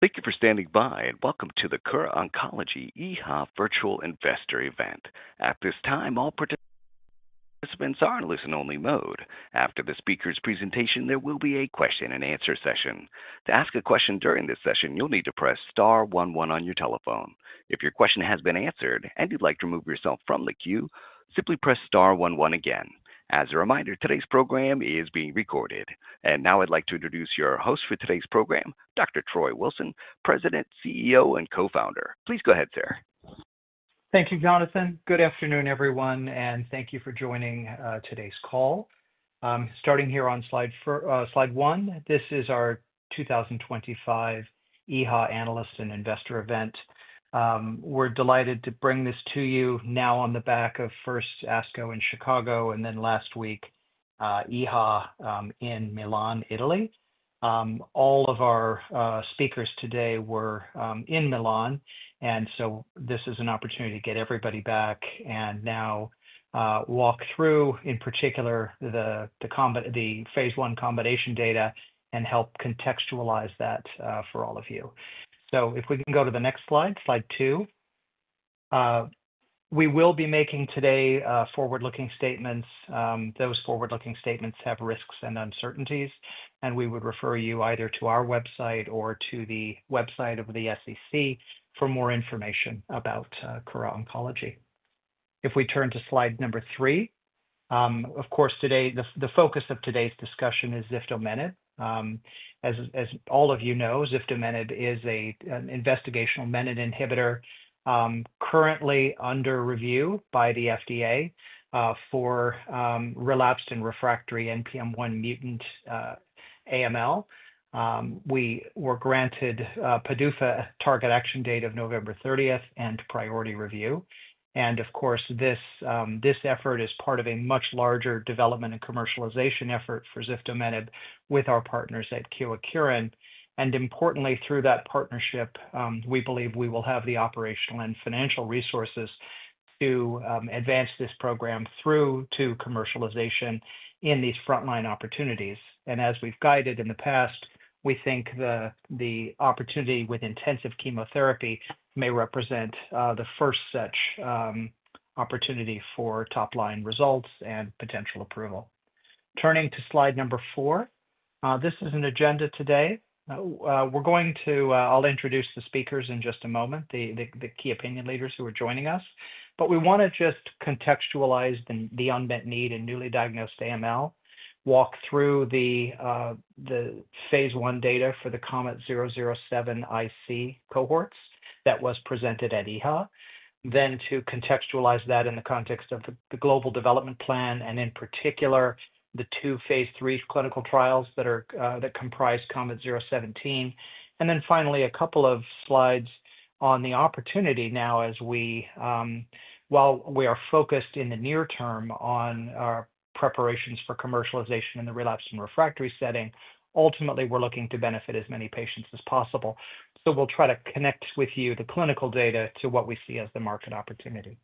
Thank you for standing by, and welcome to the Kura Oncology EHA virtual investor event. At this time, all participants are in listen-only mode. After the speaker's presentation, there will be a question-and-answer session. To ask a question during this session, you'll need to press star 11 on your telephone. If your question has been answered and you'd like to remove yourself from the queue, simply press star 11 again. As a reminder, today's program is being recorded. Now I'd like to introduce your host for today's program, Dr. Troy Wilson, President, CEO, and co-founder. Please go ahead, sir. Thank you, Jonathan. Good afternoon, everyone, and thank you for joining today's call. Starting here on slide one, this is our 2025 EHA analyst and investor event. We're delighted to bring this to you now on the back of first ASCO in Chicago and then last week EHA in Milan, Italy. All of our speakers today were in Milan, and this is an opportunity to get everybody back and now walk through, in particular, the phase I combination data and help contextualize that for all of you. If we can go to the next slide, slide two. We will be making today forward-looking statements. Those forward-looking statements have risks and uncertainties, and we would refer you either to our website or to the website of the SEC for more information about Kura Oncology. If we turn to slide number three, of course, today, the focus of today's discussion is ziftomenib. As all of you know, ziftomenib is an investigational menin inhibitor currently under review by the FDA for relapsed and refractory NPM1 mutant AML. We were granted a PDUFA target action date of November 30 and priority review. This effort is part of a much larger development and commercialization effort for ziftomenib with our partners at Kyowa Kirin. Importantly, through that partnership, we believe we will have the operational and financial resources to advance this program through to commercialization in these frontline opportunities. As we've guided in the past, we think the opportunity with intensive chemotherapy may represent the first such opportunity for top-line results and potential approval. Turning to slide number four, this is an agenda today. We're going to—I'll introduce the speakers in just a moment, the key opinion leaders who are joining us. We want to just contextualize the unmet need in newly diagnosed AML, walk through the phase I data for the KOMET-007 IC cohorts that was presented at EHA, then to contextualize that in the context of the global development plan and in particular, the two phase III clinical trials that comprise KOMET-017. Finally, a couple of slides on the opportunity now as we—while we are focused in the near term on our preparations for commercialization in the relapsed and refractory setting, ultimately, we're looking to benefit as many patients as possible. We will try to connect with you the clinical data to what we see as the market opportunity.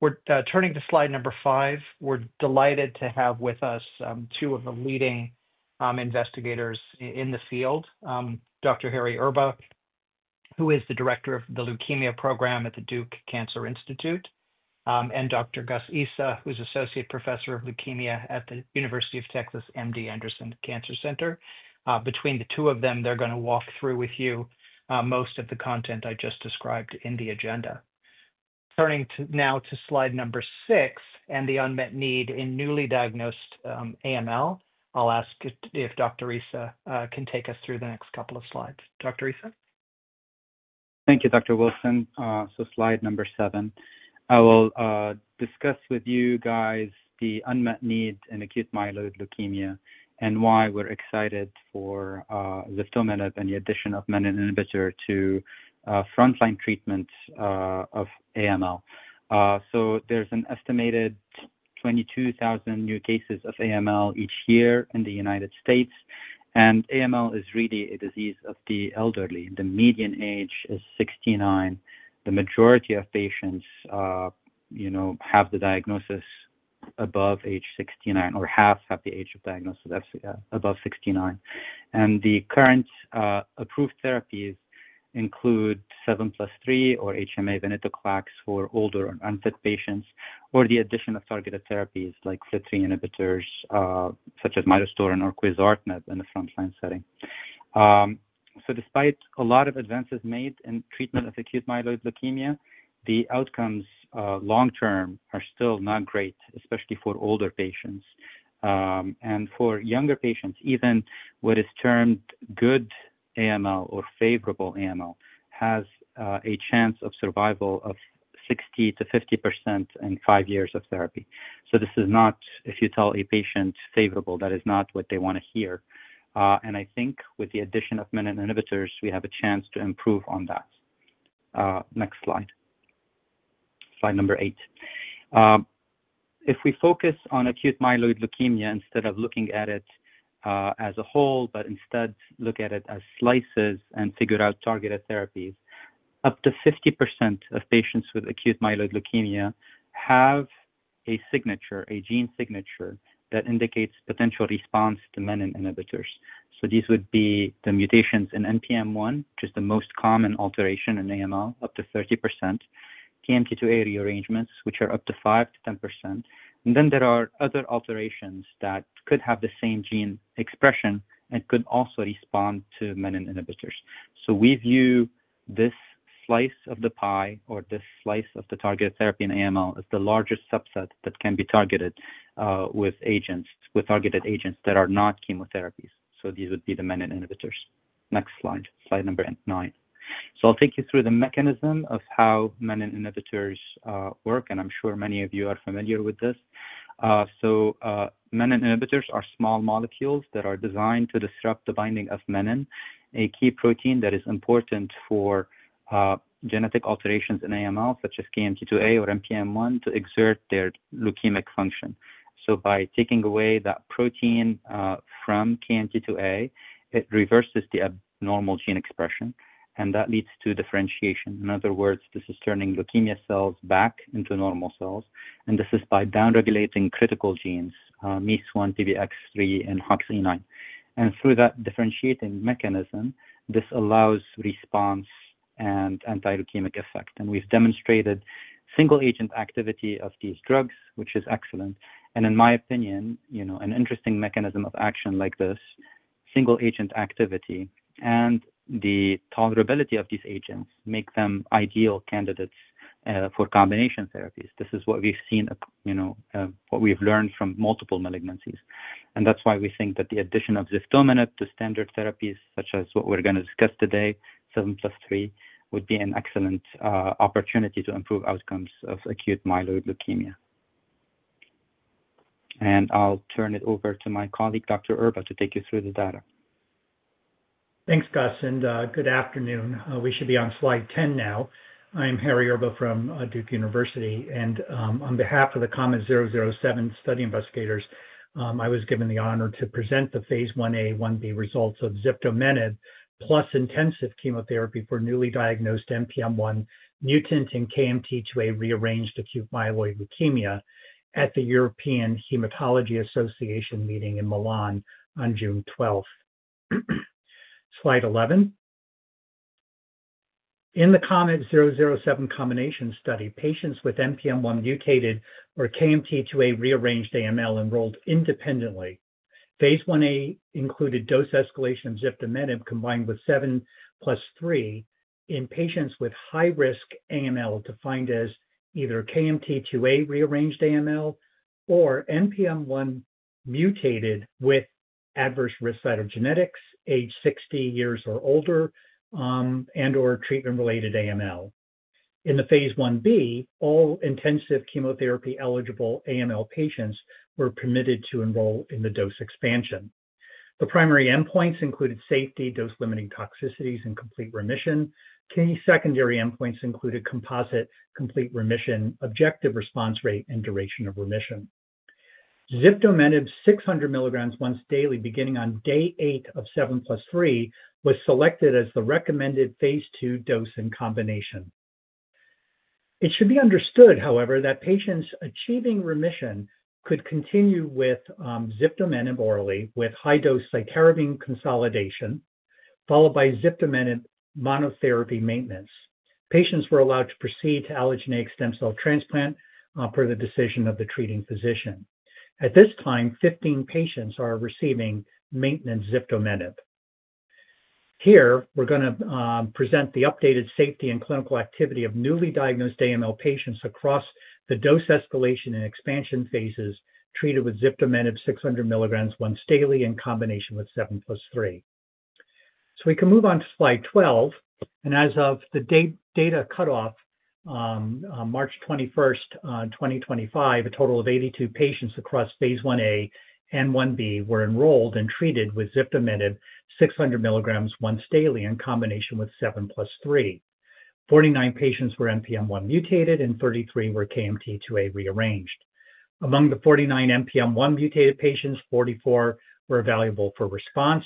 We're turning to slide number five. We're delighted to have with us two of the leading investigators in the field, Dr. Harry Erba, who is the Director of the Leukemia Program at the Duke Cancer Institute, and Dr. Ghayas Issa, who's Associate Professor of Leukemia at the University of Texas MD Anderson Cancer Center. Between the two of them, they're going to walk through with you most of the content I just described in the agenda. Turning now to slide number six and the unmet need in newly diagnosed AML, I'll ask if Dr. Issa can take us through the next couple of slides. Dr. Issa. Thank you, Dr. Wilson. Slide number seven. I will discuss with you guys the unmet need in acute myeloid leukemia and why we're excited for ziftomenib and the addition of menin inhibitor to frontline treatment of AML. There's an estimated 22,000 new cases of AML each year in the United States. AML is really a disease of the elderly. The median age is 69. The majority of patients have the diagnosis above age 69 or half have the age of diagnosis above 69. The current approved therapies include 7+3 or HMA-venetoclax for older and unfit patients or the addition of targeted therapies like FLT3 inhibitors such as midostaurin or quizartinib in the frontline setting. Despite a lot of advances made in treatment of acute myeloid leukemia, the outcomes long-term are still not great, especially for older patients. For younger patients, even what is termed good AML or favorable AML has a chance of survival of 60%-50% in five years of therapy. This is not, if you tell a patient favorable, that is not what they want to hear. I think with the addition of menin inhibitors, we have a chance to improve on that. Next slide. Slide number eight. If we focus on acute myeloid leukemia instead of looking at it as a whole, but instead look at it as slices and figure out targeted therapies, up to 50% of patients with acute myeloid leukemia have a signature, a gene signature that indicates potential response to menin inhibitors. These would be the mutations in NPM1, which is the most common alteration in AML, up to 30%, KMT2A rearrangements, which are up to 5%-10%. There are other alterations that could have the same gene expression and could also respond to menin inhibitors. We view this slice of the pie or this slice of the targeted therapy in AML as the largest subset that can be targeted with targeted agents that are not chemotherapies. These would be the menin inhibitors. Next slide. Slide number nine. I'll take you through the mechanism of how menin inhibitors work, and I'm sure many of you are familiar with this. Menin inhibitors are small molecules that are designed to disrupt the binding of menin, a key protein that is important for genetic alterations in AML such as KMT2A or NPM1 to exert their leukemic function. By taking away that protein from KMT2A, it reverses the abnormal gene expression, and that leads to differentiation. In other words, this is turning leukemia cells back into normal cells, and this is by downregulating critical genes, MEIS1, PBX3, and HOXA9. Through that differentiating mechanism, this allows response and anti-leukemic effect. We have demonstrated single-agent activity of these drugs, which is excellent. In my opinion, an interesting mechanism of action like this, single-agent activity, and the tolerability of these agents make them ideal candidates for combination therapies. This is what we have seen, what we have learned from multiple malignancies. That is why we think that the addition of ziftomenib to standard therapies, such as what we are going to discuss today, 7+3, would be an excellent opportunity to improve outcomes of acute myeloid leukemia. I will turn it over to my colleague, Dr. Erba, to take you through the data. Thanks, Ghayas, and good afternoon. We should be on slide 10 now. I'm Harry Erba from Duke University. On behalf of the KOMET-007 study investigators, I was given the honor to present the phase 1-A, 1-B results of ziftomenib plus intensive chemotherapy for newly diagnosed NPM1 mutant and KMT2A rearranged acute myeloid leukemia at the European Hematology Association meeting in Milan on June 12th. Slide 11. In the KOMET-007 combination study, patients with NPM1 mutated or KMT2A rearranged AML enrolled independently. Phase 1-A included dose escalation of ziftomenib combined with 7+3 in patients with high-risk AML defined as either KMT2A rearranged AML or NPM1 mutated with adverse risk cytogenetics, age 60 years or older, and/or treatment-related AML. In phase 1-B, all intensive chemotherapy eligible AML patients were permitted to enroll in the dose expansion. The primary endpoints included safety, dose-limiting toxicities, and complete remission. Key secondary endpoints included composite complete remission, objective response rate, and duration of remission. Ziftomenib 600 milligrams once daily beginning on day eight of 7+3 was selected as the recommended phase II dose and combination. It should be understood, however, that patients achieving remission could continue with ziftomenib orally with high-dose cytarabine consolidation, followed by ziftomenib monotherapy maintenance. Patients were allowed to proceed to allogeneic stem cell transplant per the decision of the treating physician. At this time, 15 patients are receiving maintenance ziftomenib. Here, we're going to present the updated safety and clinical activity of newly diagnosed AML patients across the dose escalation and expansion phases treated with ziftomenib 600 milligrams once daily in combination with 7+3. We can move on to slide 12. As of the data cutoff, March 21st, 2025, a total of 82 patients across phase 1-A and 1-B were enrolled and treated with ziftomenib 600 milligrams once daily in combination with 7+3. 49 patients were NPM1 mutated and 33 were KMT2A rearranged. Among the 49 NPM1 mutated patients, 44 were available for response,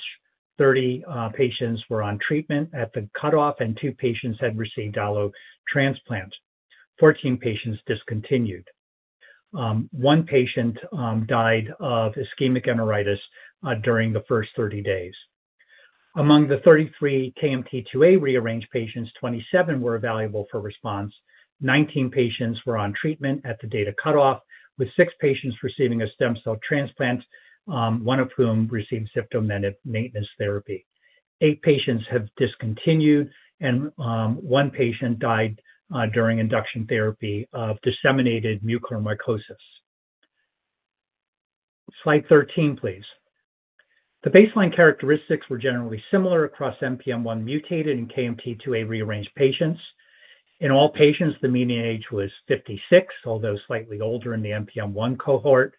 30 patients were on treatment at the cutoff, and two patients had received allo transplant. Fourteen patients discontinued. One patient died of ischemic enteritis during the first 30 days. Among the 33 KMT2A rearranged patients, 27 were available for response. 19 patients were on treatment at the data cutoff, with six patients receiving a stem cell transplant, one of whom received ziftomenib maintenance therapy. Eight patients have discontinued, and one patient died during induction therapy of disseminated mucormycosis. Slide 13, please. The baseline characteristics were generally similar across NPM1 mutated and KMT2A rearranged patients. In all patients, the median age was 56, although slightly older in the NPM1 cohort.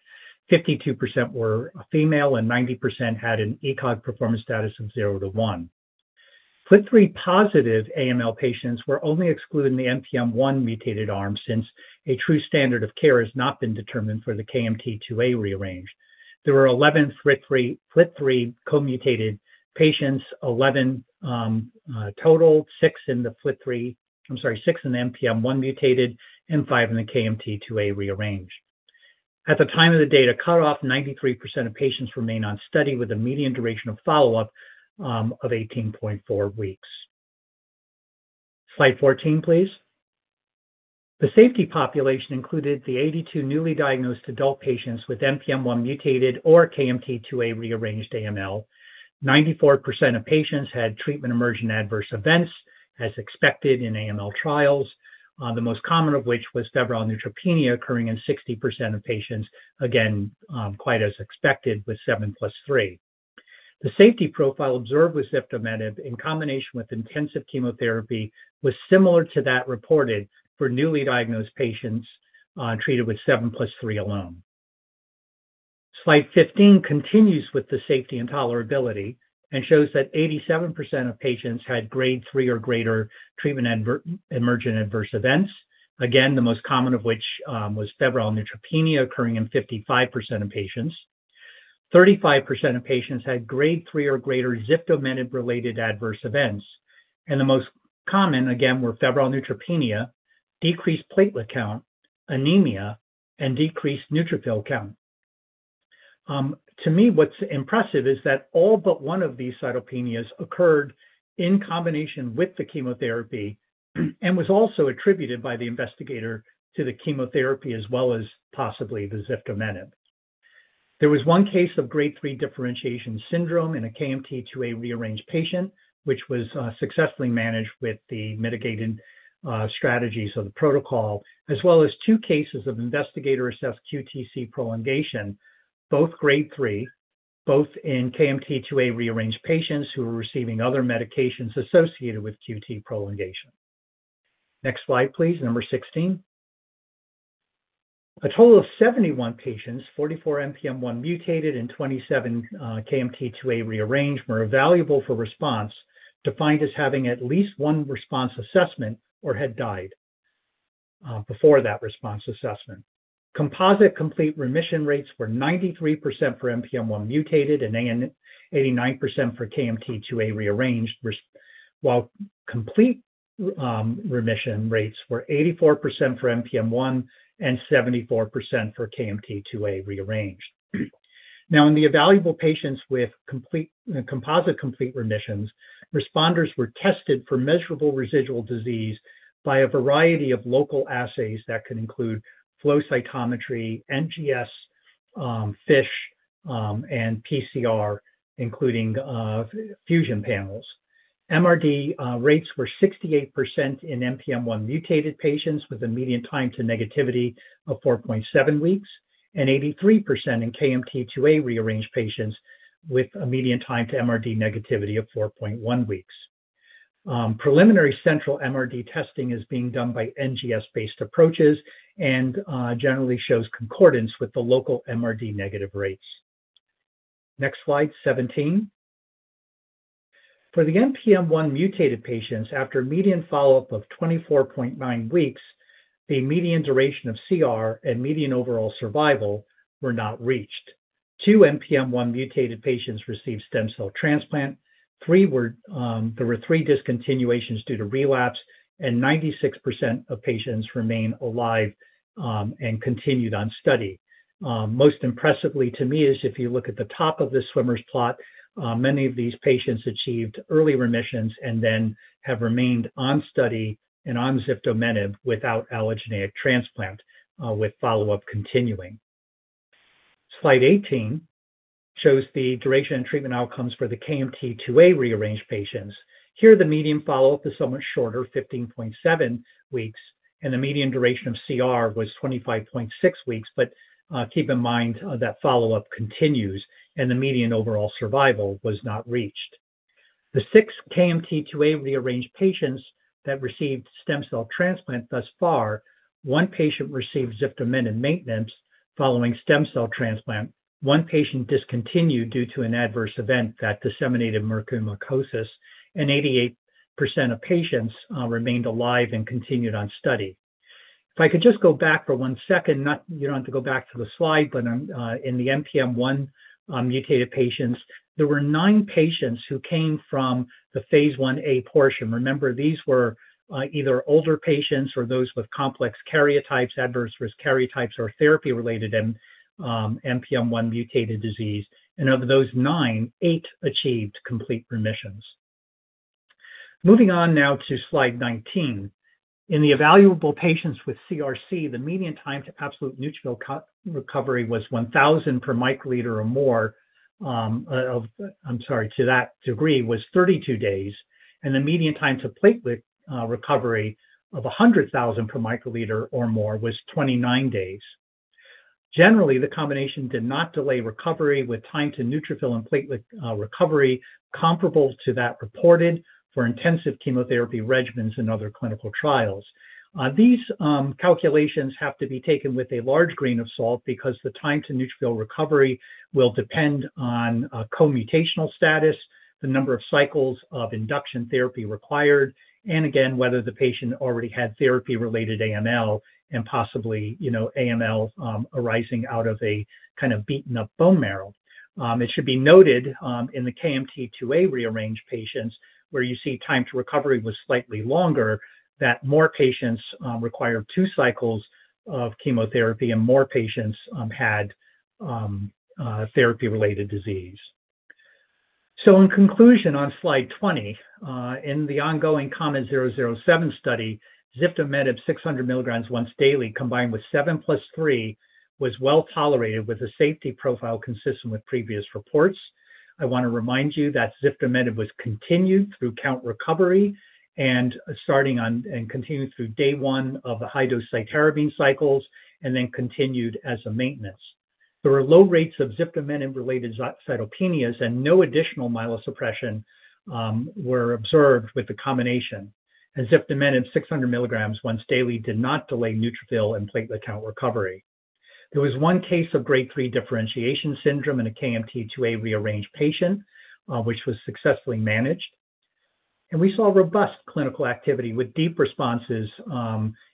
52% were female and 90% had an ECOG performance status of 0-1. FLT3-positive AML patients were only excluding the NPM1 mutated arm since a true standard of care has not been determined for the KMT2A rearranged. There were 11 FLT3 comutated patients, 11 total, 6 in the FLT3, I'm sorry, 6 in the NPM1 mutated, and 5 in the KMT2A rearranged. At the time of the data cutoff, 93% of patients remained on study with a median duration of follow-up of 18.4 weeks. Slide 14, please. The safety population included the 82 newly diagnosed adult patients with NPM1 mutated or KMT2A rearranged AML. 94% of patients had treatment-emergent adverse events as expected in AML trials, the most common of which was febrile neutropenia occurring in 60% of patients, again, quite as expected with 7+3. The safety profile observed with ziftomenib in combination with intensive chemotherapy was similar to that reported for newly diagnosed patients treated with 7+3 alone. Slide 15 continues with the safety and tolerability and shows that 87% of patients had grade 3 or greater treatment-emergent adverse events, again, the most common of which was febrile neutropenia occurring in 55% of patients. 35% of patients had grade 3 or greater ziftomenib-related adverse events, and the most common, again, were febrile neutropenia, decreased platelet count, anemia, and decreased neutrophil count. To me, what's impressive is that all but one of these cytopenias occurred in combination with the chemotherapy and was also attributed by the investigator to the chemotherapy as well as possibly the ziftomenib. There was one case of grade 3 differentiation syndrome in a KMT2A rearranged patient, which was successfully managed with the mitigating strategies of the protocol, as well as two cases of investigator-assessed QTc prolongation, both grade 3, both in KMT2A rearranged patients who were receiving other medications associated with QT prolongation. Next slide, please. Number 16. A total of 71 patients, 44 NPM1 mutated and 27 KMT2A rearranged, were available for response defined as having at least one response assessment or had died before that response assessment. Composite complete remission rates were 93% for NPM1 mutated and 89% for KMT2A rearranged, while complete remission rates were 84% for NPM1 and 74% for KMT2A rearranged. Now, in the available patients with composite complete remissions, responders were tested for measurable residual disease by a variety of local assays that could include flow cytometry, NGS, FISH, and PCR, including fusion panels. MRD rates were 68% in NPM1 mutated patients with a median time to negativity of 4.7 weeks and 83% in KMT2A rearranged patients with a median time to MRD negativity of 4.1 weeks. Preliminary central MRD testing is being done by NGS-based approaches and generally shows concordance with the local MRD negative rates. Next slide, 17. For the NPM1 mutated patients, after median follow-up of 24.9 weeks, the median duration of CR and median overall survival were not reached. Two NPM1 mutated patients received stem cell transplant. There were three discontinuations due to relapse, and 96% of patients remained alive and continued on study. Most impressively to me is if you look at the top of the swimmers plot, many of these patients achieved early remissions and then have remained on study and on ziftomenib without allogeneic transplant, with follow-up continuing. Slide 18 shows the duration and treatment outcomes for the KMT2A rearranged patients. Here, the median follow-up is somewhat shorter, 15.7 weeks, and the median duration of CR was 25.6 weeks, but keep in mind that follow-up continues and the median overall survival was not reached. The six KMT2A-rearranged patients that received stem cell transplant thus far, one patient received ziftomenib maintenance following stem cell transplant, one patient discontinued due to an adverse event that disseminated mucormycosis, and 88% of patients remained alive and continued on study. If I could just go back for one second, you do not have to go back to the slide, but in the NPM1-mutated patients, there were nine patients who came from the phase 1-A portion. Remember, these were either older patients or those with complex karyotypes, adverse risk karyotypes, or therapy-related NPM1-mutated disease. Of those nine, eight achieved complete remissions. Moving on now to slide 19. In the evaluable patients with CRc, the median time to absolute neutrophil recovery was 1,000 per microliter or more. I'm sorry, to that degree was 32 days, and the median time to platelet recovery of 100,000 per microliter or more was 29 days. Generally, the combination did not delay recovery with time to neutrophil and platelet recovery comparable to that reported for intensive chemotherapy regimens and other clinical trials. These calculations have to be taken with a large grain of salt because the time to neutrophil recovery will depend on comutational status, the number of cycles of induction therapy required, and again, whether the patient already had therapy-related AML and possibly AML arising out of a kind of beaten-up bone marrow. It should be noted in the KMT2A rearranged patients, where you see time to recovery was slightly longer, that more patients required two cycles of chemotherapy and more patients had therapy-related disease. In conclusion, on slide 20, in the ongoing KOMET-007 study, ziftomenib 600 milligrams once daily combined with 7+3 was well tolerated with a safety profile consistent with previous reports. I want to remind you that ziftomenib was continued through count recovery and continued through day one of the high-dose cytarabine cycles and then continued as a maintenance. There were low rates of ziftomenib-related cytopenias and no additional myelosuppression was observed with the combination. Ziftomenib 600 milligrams once daily did not delay neutrophil and platelet count recovery. There was one case of grade 3 differentiation syndrome in a KMT2A rearranged patient, which was successfully managed. We saw robust clinical activity with deep responses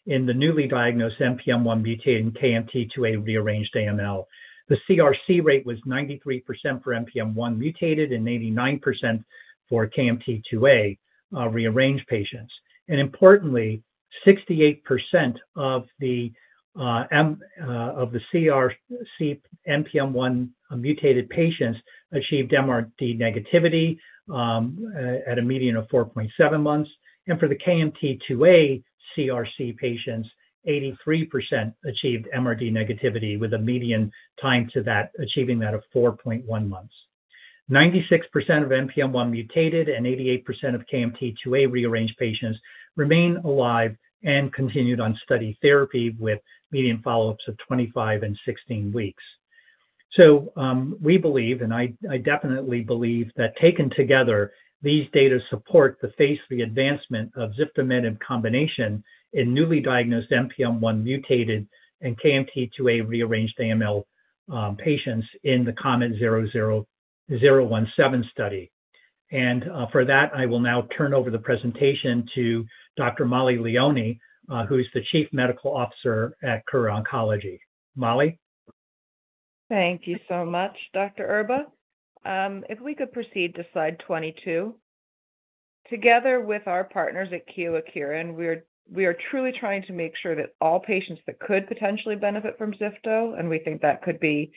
in the newly diagnosed NPM1 mutated and KMT2A rearranged AML. The CRc rate was 93% for NPM1 mutated and 89% for KMT2A rearranged patients. Importantly, 68% of the CRc NPM1 mutated patients achieved MRD negativity at a median of 4.7 months. For the KMT2A CRc patients, 83% achieved MRD negativity with a median time to achieving that of 4.1 months. 96% of NPM1 mutated and 88% of KMT2A rearranged patients remained alive and continued on study therapy with median follow-ups of 25 and 16 weeks. We believe, and I definitely believe that taken together, these data support the phase III advancement of ziftomenib combination in newly diagnosed NPM1 mutated and KMT2A rearranged AML patients in the KOMET-007 study. For that, I will now turn over the presentation to Dr. Mollie Leoni, who is the Chief Medical Officer at Kura Oncology. Mollie? Thank you so much, Dr. Erba. If we could proceed to slide 22. Together with our partners at Kyowa Kirin, and we are truly trying to make sure that all patients that could potentially benefit from zifto, and we think that could be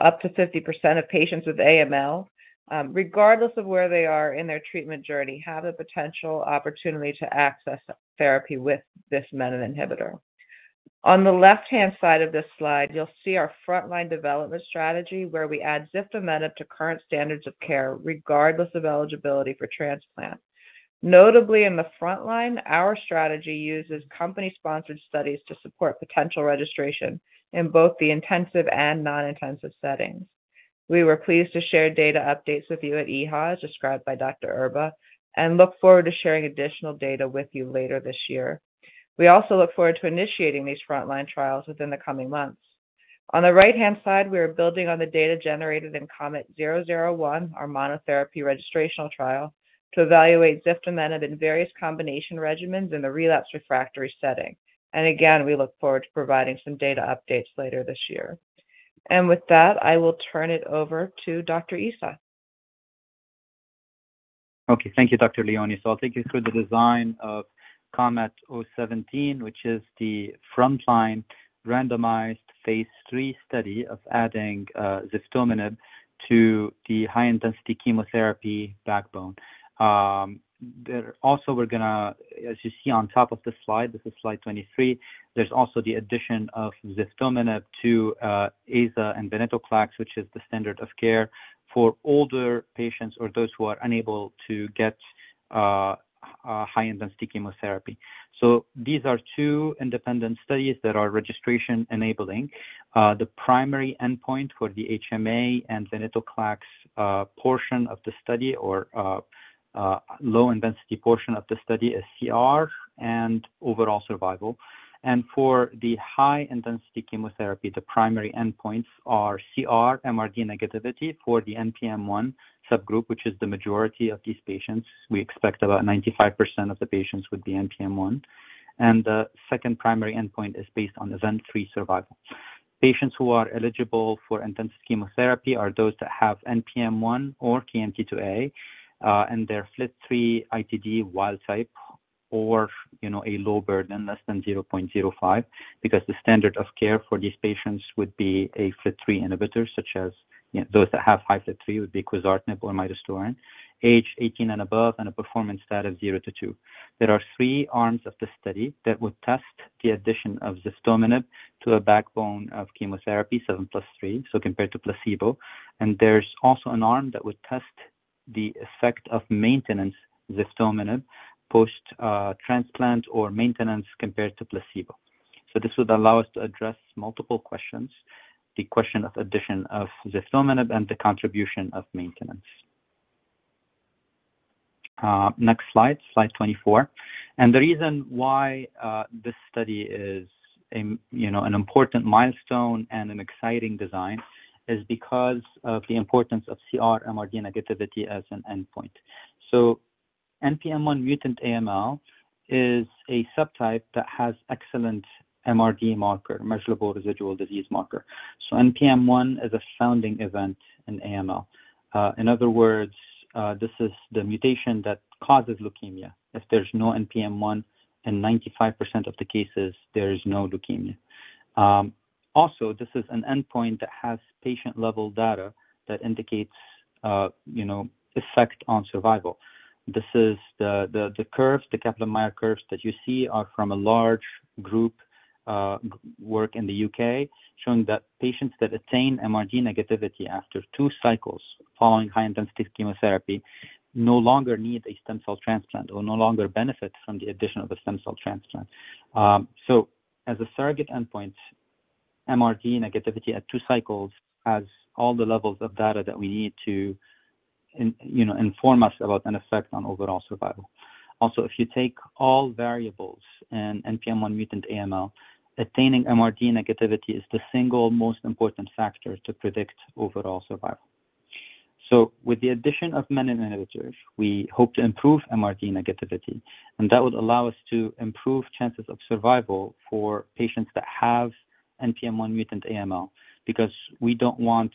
up to 50% of patients with AML, regardless of where they are in their treatment journey, have the potential opportunity to access therapy with this menin inhibitor. On the left-hand side of this slide, you'll see our frontline development strategy where we add ziftomenib to current standards of care regardless of eligibility for transplant. Notably, in the frontline, our strategy uses company-sponsored studies to support potential registration in both the intensive and non-intensive settings. We were pleased to share data updates with you at EHA, described by Dr. Erba, and look forward to sharing additional data with you later this year. We also look forward to initiating these frontline trials within the coming months. On the right-hand side, we are building on the data generated in KOMET-001, our monotherapy registrational trial, to evaluate ziftomenib in various combination regimens in the relapse refractory setting. We look forward to providing some data updates later this year. With that, I will turn it over to Dr. Issa. Okay. Thank you, Dr. Leoni. I'll take you through the design of KOMET-017, which is the frontline randomized phase III study of adding ziftomenib to the high-intensity chemotherapy backbone. Also, as you see on top of the slide, this is slide 23, there is also the addition of ziftomenib to aza and venetoclax, which is the standard of care for older patients or those who are unable to get high-intensity chemotherapy. These are two independent studies that are registration-enabling. The primary endpoint for the HMA and venetoclax portion of the study, or low-intensity portion of the study, is CR and overall survival. For the high-intensity chemotherapy, the primary endpoints are CR, MRD negativity for the NPM1 subgroup, which is the majority of these patients. We expect about 95% of the patients would be NPM1. The second primary endpoint is based on event-free survival. Patients who are eligible for intensive chemotherapy are those that have NPM1 or KMT2A and their FLT3 ITD wild type or a low burden, less than 0.05, because the standard of care for these patients would be a FLT3 inhibitor, such as those that have high FLT3 would be quizartinib or midostaurin, age 18 and above, and a performance stat of 0-2. There are three arms of the study that would test the addition of ziftomenib to a backbone of chemotherapy, 7+3, compared to placebo. There is also an arm that would test the effect of maintenance ziftomenib post-transplant or maintenance compared to placebo. This would allow us to address multiple questions, the question of addition of ziftomenib and the contribution of maintenance. Next slide, slide 24. The reason why this study is an important milestone and an exciting design is because of the importance of CR, MRD negativity as an endpoint. NPM1 mutant AML is a subtype that has excellent MRD marker, measurable residual disease marker. NPM1 is a founding event in AML. In other words, this is the mutation that causes leukemia. If there is no NPM1, in 95% of the cases, there is no leukemia. Also, this is an endpoint that has patient-level data that indicates effect on survival. The curves, the Kaplan-Meier curves that you see, are from a large group work in the U.K. showing that patients that attain MRD negativity after two cycles following high-intensity chemotherapy no longer need a stem cell transplant or no longer benefit from the addition of a stem cell transplant. As a surrogate endpoint, MRD negativity at two cycles has all the levels of data that we need to inform us about an effect on overall survival. Also, if you take all variables in NPM1 mutant AML, attaining MRD negativity is the single most important factor to predict overall survival. With the addition of menin inhibitors, we hope to improve MRD negativity, and that would allow us to improve chances of survival for patients that have NPM1 mutant AML because we do not want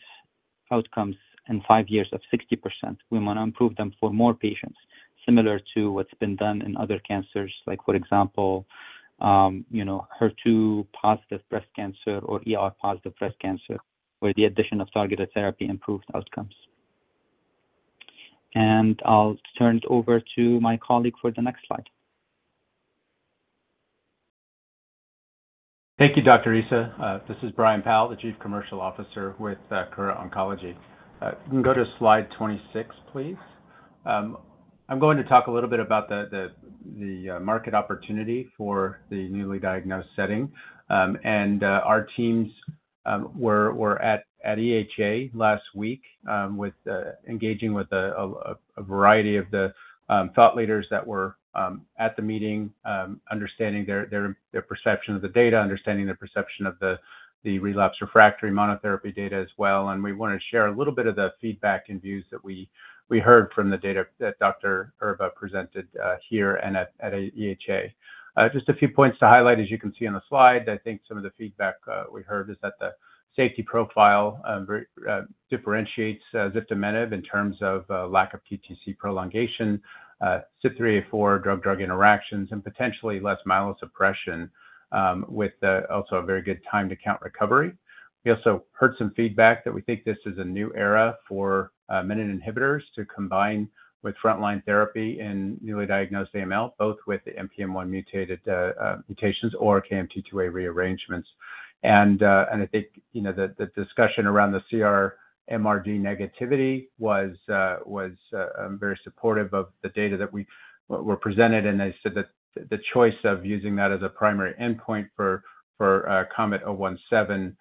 outcomes in five years of 60%. We want to improve them for more patients, similar to what has been done in other cancers, like, for example, HER2-positive breast cancer or ER-positive breast cancer, where the addition of targeted therapy improved outcomes. I'll turn it over to my colleague for the next slide. Thank you, Dr. Issa. This is Brian Powl, the Chief Commercial Officer with Kura Oncology. You can go to slide 26, please. I'm going to talk a little bit about the market opportunity for the newly diagnosed setting. Our teams were at EHA last week engaging with a variety of the thought leaders that were at the meeting, understanding their perception of the data, understanding their perception of the relapse refractory monotherapy data as well. We wanted to share a little bit of the feedback and views that we heard from the data that Dr. Erba presented here and at EHA. Just a few points to highlight, as you can see on the slide. I think some of the feedback we heard is that the safety profile differentiates ziftomenib in terms of lack of QTc prolongation, CYP3A4 drug-drug interactions, and potentially less myelosuppression with also a very good time-to-count recovery. We also heard some feedback that we think this is a new era for menin inhibitors to combine with frontline therapy in newly diagnosed AML, both with the NPM1 mutations or KMT2A rearrangements. I think the discussion around the CR MRD negativity was very supportive of the data that were presented. They said that the choice of using that as a primary endpoint for KOMET-017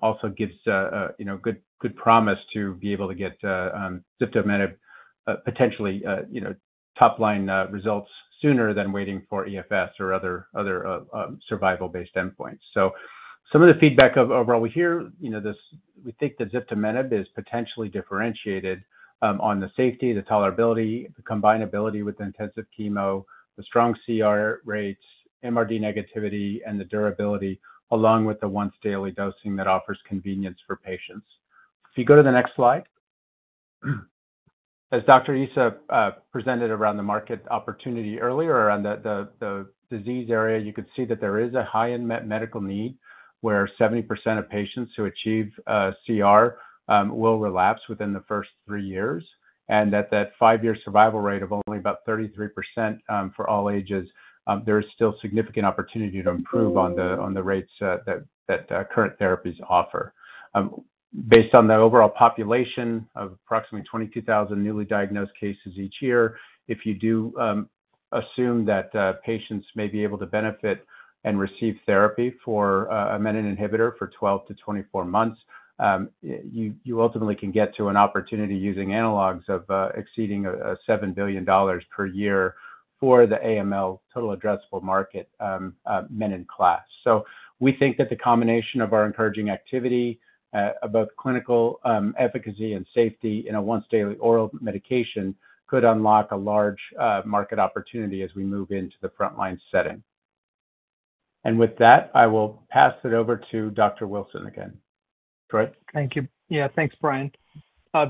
also gives good promise to be able to get ziftomenib potentially top-line results sooner than waiting for EFS or other survival-based endpoints. Some of the feedback overall we hear, we think that ziftomenib is potentially differentiated on the safety, the tolerability, the combinability with intensive chemo, the strong CR rates, MRD negativity, and the durability, along with the once-daily dosing that offers convenience for patients. If you go to the next slide, as Dr. Issa presented around the market opportunity earlier around the disease area, you could see that there is a high-end medical need where 70% of patients who achieve CR will relapse within the first three years. At that five-year survival rate of only about 33% for all ages, there is still significant opportunity to improve on the rates that current therapies offer. Based on the overall population of approximately 22,000 newly diagnosed cases each year, if you do assume that patients may be able to benefit and receive therapy for a menin inhibitor for 12-24 months, you ultimately can get to an opportunity using analogs of exceeding $7 billion per year for the AML total addressable market menin class. We think that the combination of our encouraging activity about clinical efficacy and safety in a once-daily oral medication could unlock a large market opportunity as we move into the frontline setting. With that, I will pass it over to Dr. Wilson again. Troy? Thank you. Yeah, thanks, Brian.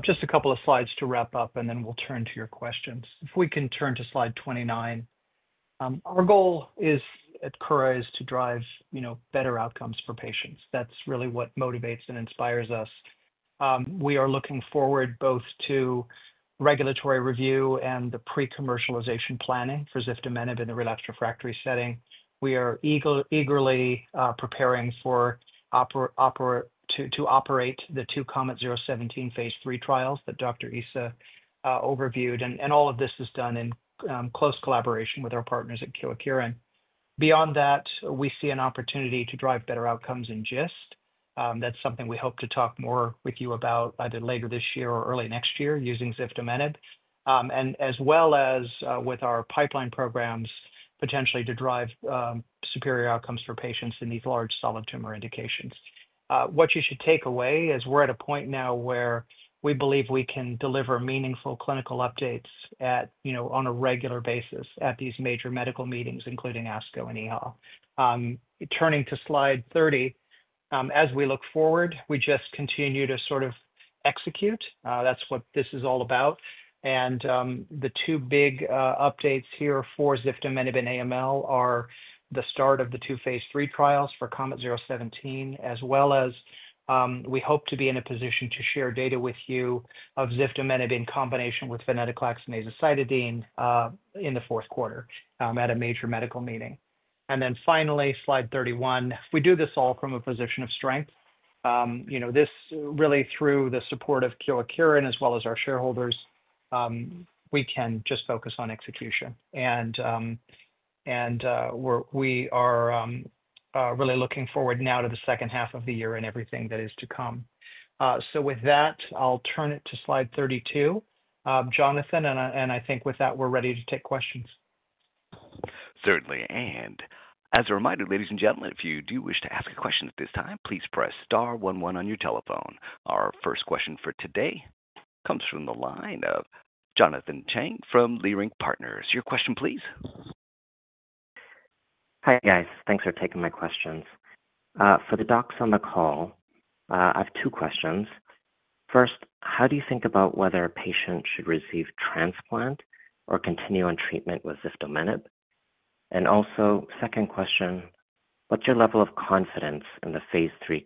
Just a couple of slides to wrap up, and then we'll turn to your questions. If we can turn to slide 29. Our goal at Kura is to drive better outcomes for patients. That's really what motivates and inspires us. We are looking forward both to regulatory review and the pre-commercialization planning for ziftomenib in the relapse refractory setting. We are eagerly preparing to operate the two KOMET-017 phase III trials that Dr. Issa overviewed. All of this is done in close collaboration with our partners at Kyowa Kirin. Beyond that, we see an opportunity to drive better outcomes in GIST. That's something we hope to talk more with you about either later this year or early next year using ziftomenib, as well as with our pipeline programs potentially to drive superior outcomes for patients in these large solid tumor indications. What you should take away is we're at a point now where we believe we can deliver meaningful clinical updates on a regular basis at these major medical meetings, including ASCO and EHA. Turning to slide 30, as we look forward, we just continue to sort of execute. That's what this is all about. The two big updates here for ziftomenib in AML are the start of the two phase III trials for KOMET-017, as well as we hope to be in a position to share data with you of ziftomenib in combination with Venetoclax and Azacitidine in the fourth quarter at a major medical meeting. Finally, slide 31, we do this all from a position of strength. This really, through the support of Kyowa Kirin as well as our shareholders, we can just focus on execution. We are really looking forward now to the second half of the year and everything that is to come. With that, I'll turn it to slide 32. Jonathan, I think with that, we're ready to take questions. Certainly. As a reminder, ladies and gentlemen, if you do wish to ask a question at this time, please press star 11 on your telephone. Our first question for today comes from the line of Jonathan Chang from Leerink Partners. Your question, please. Hi guys. Thanks for taking my questions. For the docs on the call, I have two questions. First, how do you think about whether a patient should receive transplant or continue on treatment with ziftomenib? Also, second question, what's your level of confidence in the phase III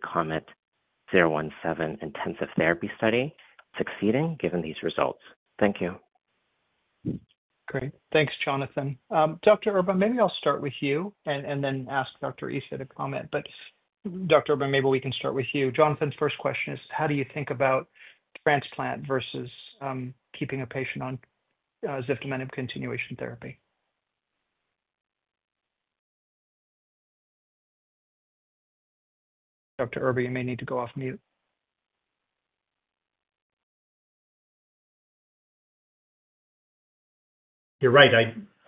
KOMET-017 intensive therapy study succeeding given these results? Thank you. Great. Thanks, Jonathan. Dr. Erba, maybe I'll start with you and then ask Dr. Issa to comment. But Dr. Erba, maybe we can start with you. Jonathan's first question is, how do you think about transplant versus keeping a patient on ziftomenib continuation therapy? Dr. Erba, you may need to go off mute. You're right.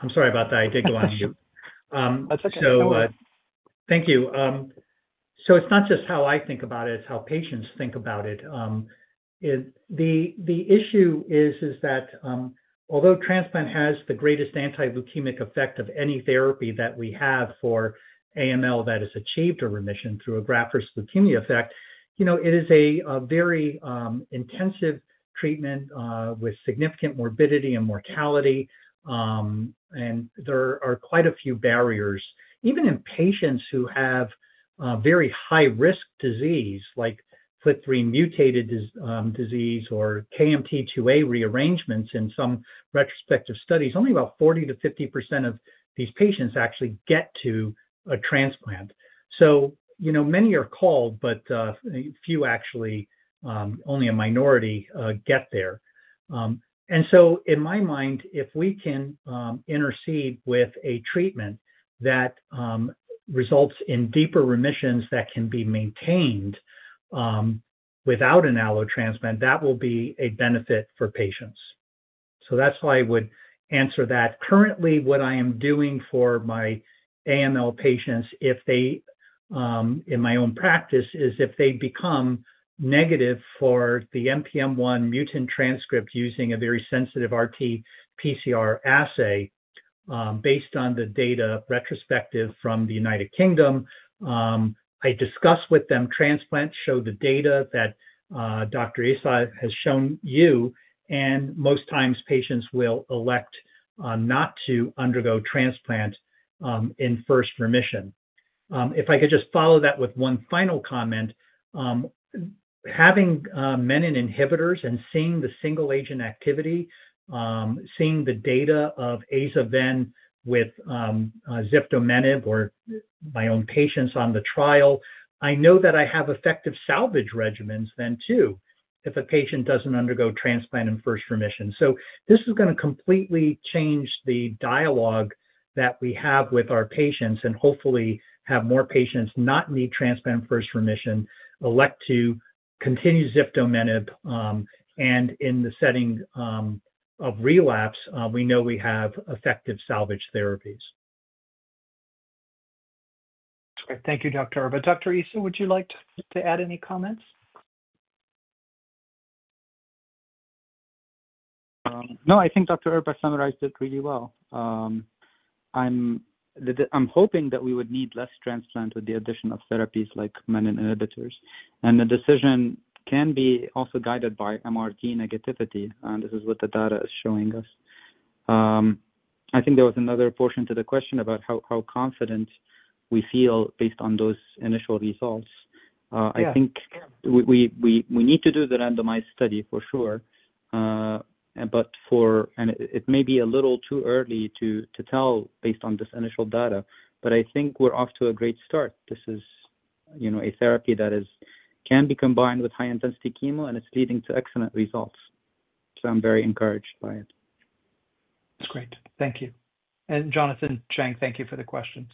I'm sorry about that. I did go on mute. That's okay. No problem. Thank you. So it's not just how I think about it. It's how patients think about it. The issue is that although transplant has the greatest anti-leukemic effect of any therapy that we have for AML that has achieved a remission through a graft-versus-leukemia effect, it is a very intensive treatment with significant morbidity and mortality. There are quite a few barriers. Even in patients who have very high-risk disease like FLT3 mutated disease or KMT2A rearrangements in some retrospective studies, only about 40%-50% of these patients actually get to a transplant. Many are called, but few, actually, only a minority get there. In my mind, if we can intercede with a treatment that results in deeper remissions that can be maintained without an allo transplant, that will be a benefit for patients. That is how I would answer that. Currently, what I am doing for my AML patients, in my own practice, is if they become negative for the NPM1 mutant transcript using a very sensitive RT-PCR assay, based on the data retrospective from the United Kingdom, I discuss with them. Transplants show the data that Dr. Issa has shown you. Most times, patients will elect not to undergo transplant in first remission. If I could just follow that with one final comment, having menin inhibitors and seeing the single-agent activity, seeing the data of aza-ven with ziftomenib or my own patients on the trial, I know that I have effective salvage regimens then too if a patient does not undergo transplant in first remission. This is going to completely change the dialogue that we have with our patients and hopefully have more patients not need transplant in first remission elect to continue ziftomenib. In the setting of relapse, we know we have effective salvage therapies. Okay. Thank you, Dr. Erba. Dr. Issa, would you like to add any comments? No, I think Dr. Erba summarized it really well. I am hoping that we would need less transplant with the addition of therapies like menin inhibitors. The decision can be also guided by MRD negativity. This is what the data is showing us. I think there was another portion to the question about how confident we feel based on those initial results. I think we need to do the randomized study for sure. It may be a little too early to tell based on this initial data, but I think we're off to a great start. This is a therapy that can be combined with high-intensity chemo, and it's leading to excellent results. I'm very encouraged by it. That's great. Thank you. Jonathan Chang, thank you for the questions.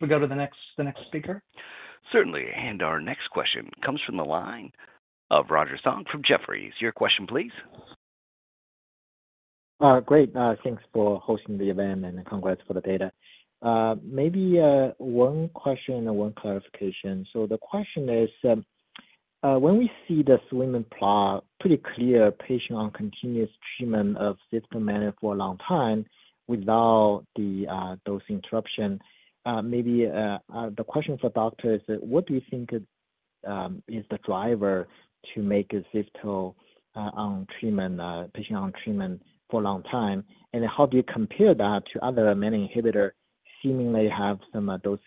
We go to the next speaker? Certainly. Our next question comes from the line of Roger Song from Jefferies. Your question, please. Great. Thanks for hosting the event and congrats for the data. Maybe one question and one clarification. The question is, when we see the pretty clear patient on continuous treatment of ziftomenib for a long time without the dose interruption, maybe the question for doctors is, what do you think is the driver to make zifto on treatment, patient on treatment for a long time? How do you compare that to other menin inhibitor seemingly have some dose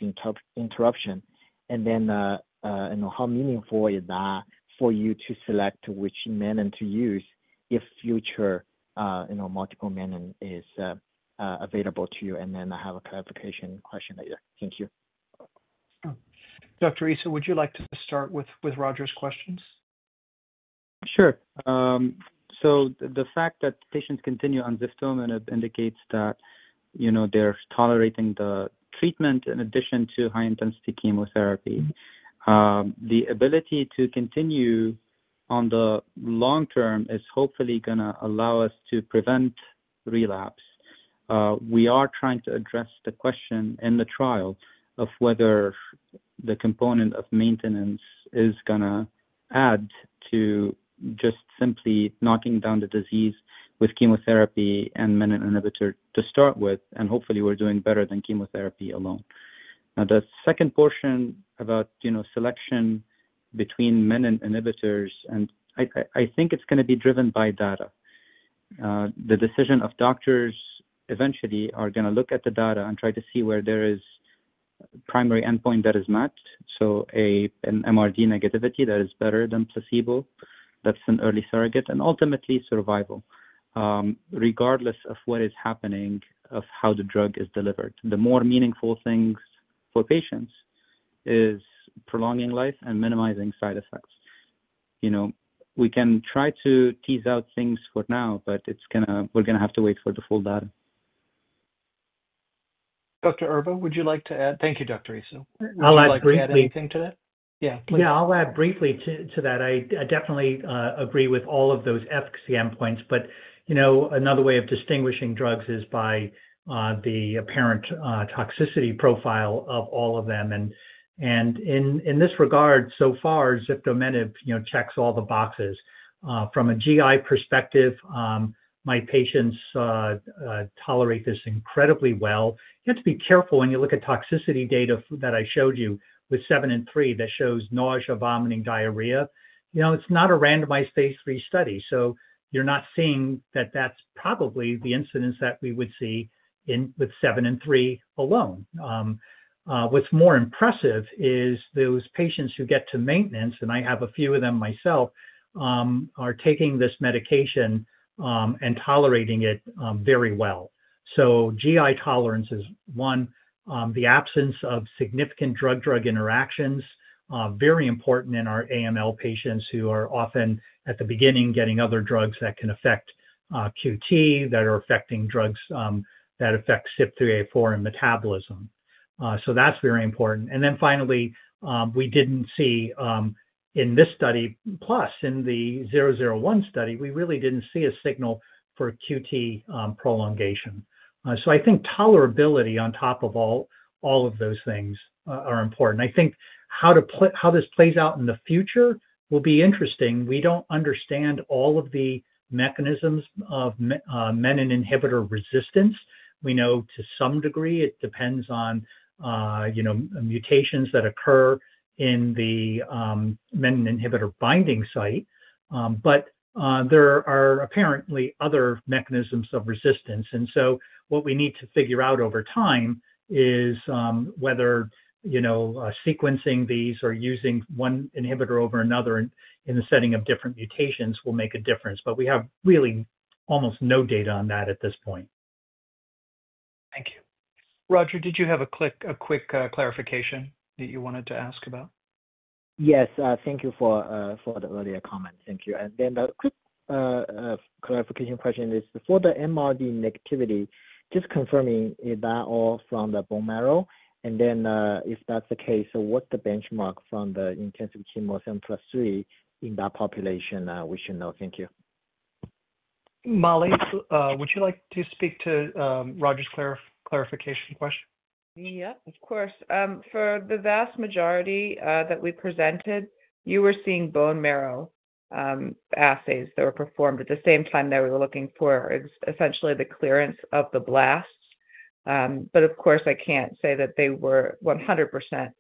interruption? How meaningful is that for you to select which menin inhibitor to use if future multiple menin inhibitors is available to you? I have a clarification question later. Thank you. Dr. Issa, would you like to start with Roger's questions? Sure. The fact that patients continue on ziftomenib indicates that they're tolerating the treatment in addition to high-intensity chemotherapy. The ability to continue on the long term is hopefully going to allow us to prevent relapse. We are trying to address the question in the trial of whether the component of maintenance is going to add to just simply knocking down the disease with chemotherapy and menin inhibitor to start with. Hopefully, we're doing better than chemotherapy alone. The second portion about selection between menin inhibitors, I think it's going to be driven by data. The decision of doctors eventually are going to look at the data and try to see where there is a primary endpoint that is met. An MRD negativity that is better than placebo, that's an early surrogate, and ultimately survival, regardless of what is happening or how the drug is delivered. The more meaningful things for patients is prolonging life and minimizing side effects. We can try to tease out things for now, but we're going to have to wait for the full data. Dr. Erba, would you like to add? Thank you, Dr. Issa. I'll add briefly. Yeah, I'll add briefly to that. I definitely agree with all of those FCM points. Another way of distinguishing drugs is by the apparent toxicity profile of all of them. In this regard, so far, ziftomenib checks all the boxes. From a GI perspective, my patients tolerate this incredibly well. You have to be careful when you look at toxicity data that I showed you with 7 and 3 that shows nausea, vomiting, diarrhea. It is not a randomized phase III study. You are not seeing that that is probably the incidence that we would see with 7+3 alone. What is more impressive is those patients who get to maintenance, and I have a few of them myself, are taking this medication and tolerating it very well. GI tolerance is one. The absence of significant drug-drug interactions, very important in our AML patients who are often at the beginning getting other drugs that can affect QT, that are affecting drugs that affect CYP3A4 and metabolism. That is very important. Finally, we did not see in this study, plus in the 001 study, we really did not see a signal for QT prolongation. I think tolerability on top of all of those things is important. I think how this plays out in the future will be interesting. We do not understand all of the mechanisms of menin inhibitor resistance. We know to some degree it depends on mutations that occur in the menin inhibitor binding site. There are apparently other mechanisms of resistance. What we need to figure out over time is whether sequencing these or using one inhibitor over another in the setting of different mutations will make a difference. But we have really almost no data on that at this point. Thank you. Roger, did you have a quick clarification that you wanted to ask about? Yes. Thank you for the earlier comment. Thank you. And then a quick clarification question is, for the MRD negativity, just confirming is that all from the bone marrow? And then if that's the case, what's the benchmark from the intensive chemo 7+3 in that population we should know? Thank you. Molly, would you like to speak to Roger's clarification question? Yep, of course. For the vast majority that we presented, you were seeing bone marrow assays that were performed at the same time that we were looking for essentially the clearance of the blasts. But of course, I can't say that they were 100%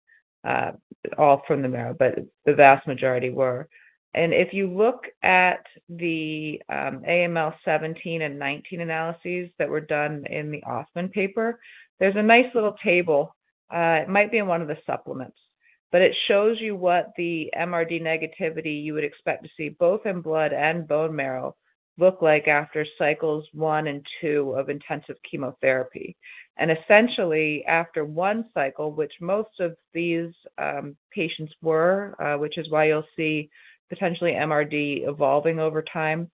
all from the marrow. But the vast majority were. If you look at the AML 17 and 19 analyses that were done in the Hoffman paper, there is a nice little table. It might be in one of the supplements. It shows you what the MRD negativity you would expect to see both in blood and bone marrow look like after cycles one and two of intensive chemotherapy. Essentially, after one cycle, which most of these patients were, which is why you will see potentially MRD evolving over time,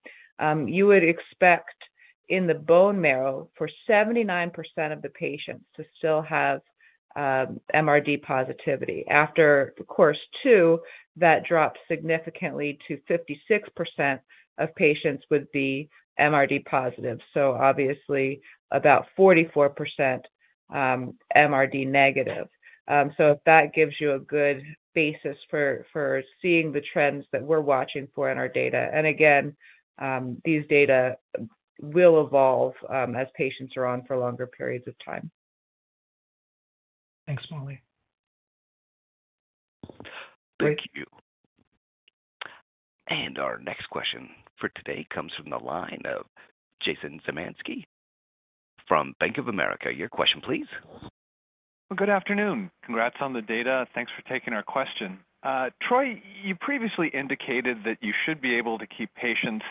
you would expect in the bone marrow for 79% of the patients to still have MRD positivity. After course two, that dropped significantly to 56% of patients would be MRD positive. Obviously, about 44% MRD negative. That gives you a good basis for seeing the trends that we are watching for in our data. Again, these data will evolve as patients are on for longer periods of time. Thanks, Molly. Thank you. Our next question for today comes from the line of Jason Zemansky from Bank of America. Your question, please. Good afternoon. Congrats on the data. Thanks for taking our question. Troy, you previously indicated that you should be able to keep patients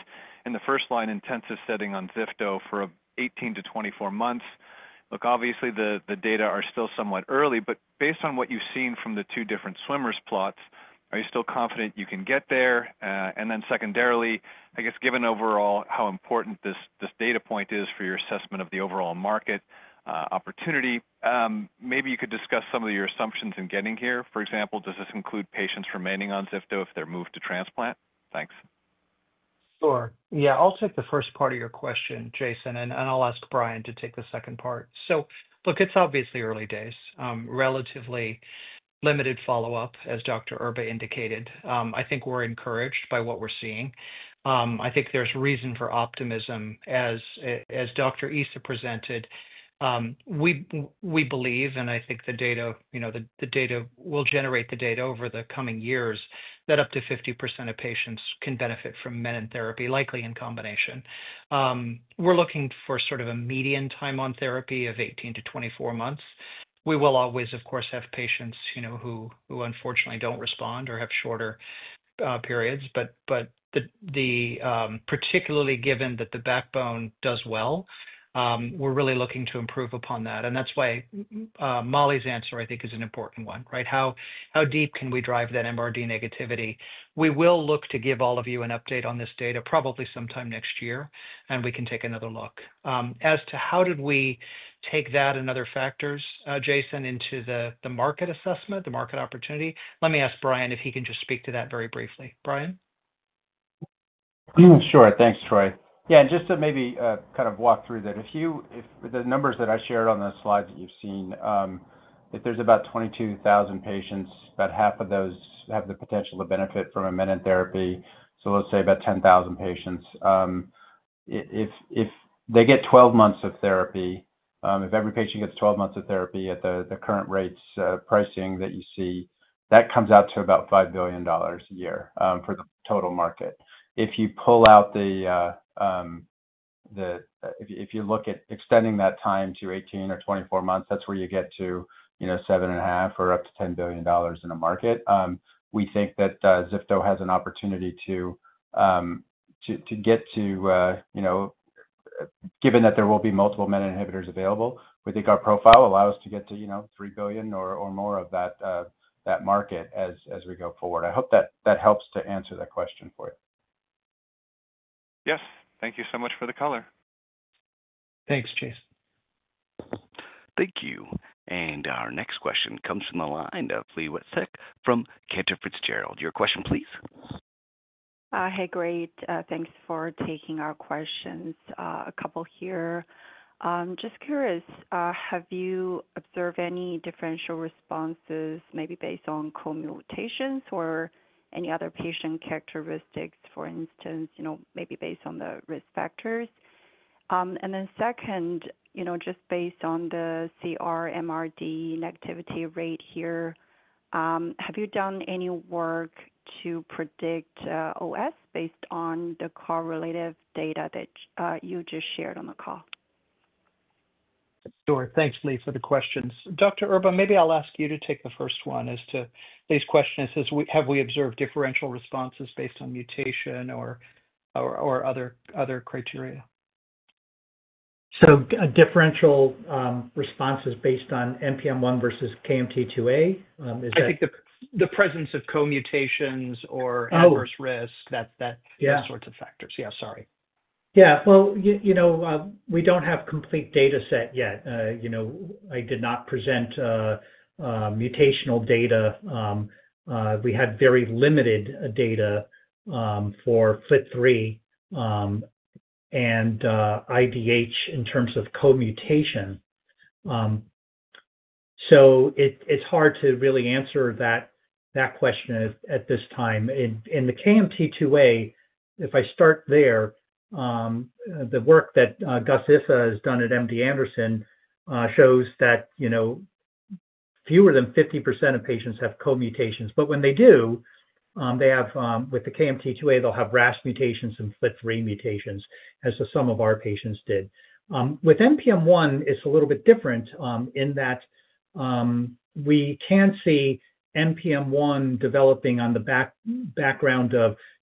in the first-line intensive setting on zifto for 18 months-24 months. Obviously, the data are still somewhat early. Based on what you've seen from the two different swimmers plots, are you still confident you can get there? Secondarily, I guess given overall how important this data point is for your assessment of the overall market opportunity, maybe you could discuss some of your assumptions in getting here. For example, does this include patients remaining on zifto if they're moved to transplant? Thanks. Sure. Yeah, I'll take the first part of your question, Jason. I'll ask Brian to take the second part. Look, it's obviously early days. Relatively limited follow-up, as Dr. Erba indicated. I think we're encouraged by what we're seeing. I think there's reason for optimism. As Dr. Issa presented, we believe, and I think the data will generate the data over the coming years, that up to 50% of patients can benefit from menin therapy, likely in combination. We're looking for sort of a median time on therapy of 18 months-24 months. We will always, of course, have patients who unfortunately don't respond or have shorter periods. Particularly given that the backbone does well, we're really looking to improve upon that. That's why Mollie's answer, I think, is an important one, right? How deep can we drive that MRD negativity? We will look to give all of you an update on this data probably sometime next year. We can take another look. As to how did we take that and other factors, Jason, into the market assessment, the market opportunity? Let me ask Brian if he can just speak to that very briefly. Brian? Sure. Thanks, Troy. Yeah. Just to maybe kind of walk through that, the numbers that I shared on the slides that you've seen, if there's about 22,000 patients, about half of those have the potential to benefit from a menin therapy. Let's say about 10,000 patients. If they get 12 months of therapy, if every patient gets 12 months of therapy at the current rates pricing that you see, that comes out to about $5 billion a year for the total market. If you pull out the if you look at extending that time to 18 or 24 months, that's where you get to $7.5 billion or up to $10 billion in a market. We think that ziftomenib has an opportunity to get to, given that there will be multiple menin inhibitors available, we think our profile allows us to get to $3 billion or more of that market as we go forward. I hope that helps to answer that question for you. Yes. Thank you so much for the color. Thanks, Jason. Thank you. Our next question comes from the line of Li Watsek from Cantor Fitzgerald. Your question, please. Hey, great. Thanks for taking our questions. A couple here. Just curious, have you observed any differential responses maybe based on comutations or any other patient characteristics, for instance, maybe based on the risk factors? And then second, just based on the CRMRD negativity rate here, have you done any work to predict OS based on the correlative data that you just shared on the call? Sure. Thanks, Li, for the questions. Dr. Erba, maybe I'll ask you to take the first one as to these questions. Have we observed differential responses based on mutation or other criteria? So differential responses based on NPM1 versus KMT2A? Is that? I think the presence of comutations or adverse risk, those sorts of factors. Yeah, sorry. Yeah. We do not have a complete data set yet. I did not present mutational data. We had very limited data for FLT3 and IDH in terms of comutation. It is hard to really answer that question at this time. In the KMT2A, if I start there, the work that Ghayas Issa has done at MD Anderson shows that fewer than 50% of patients have comutations. But when they do, with the KMT2A, they'll have RAS mutations and FLT3 mutations, as some of our patients did. With NPM1, it's a little bit different in that we can see NPM1 developing on the background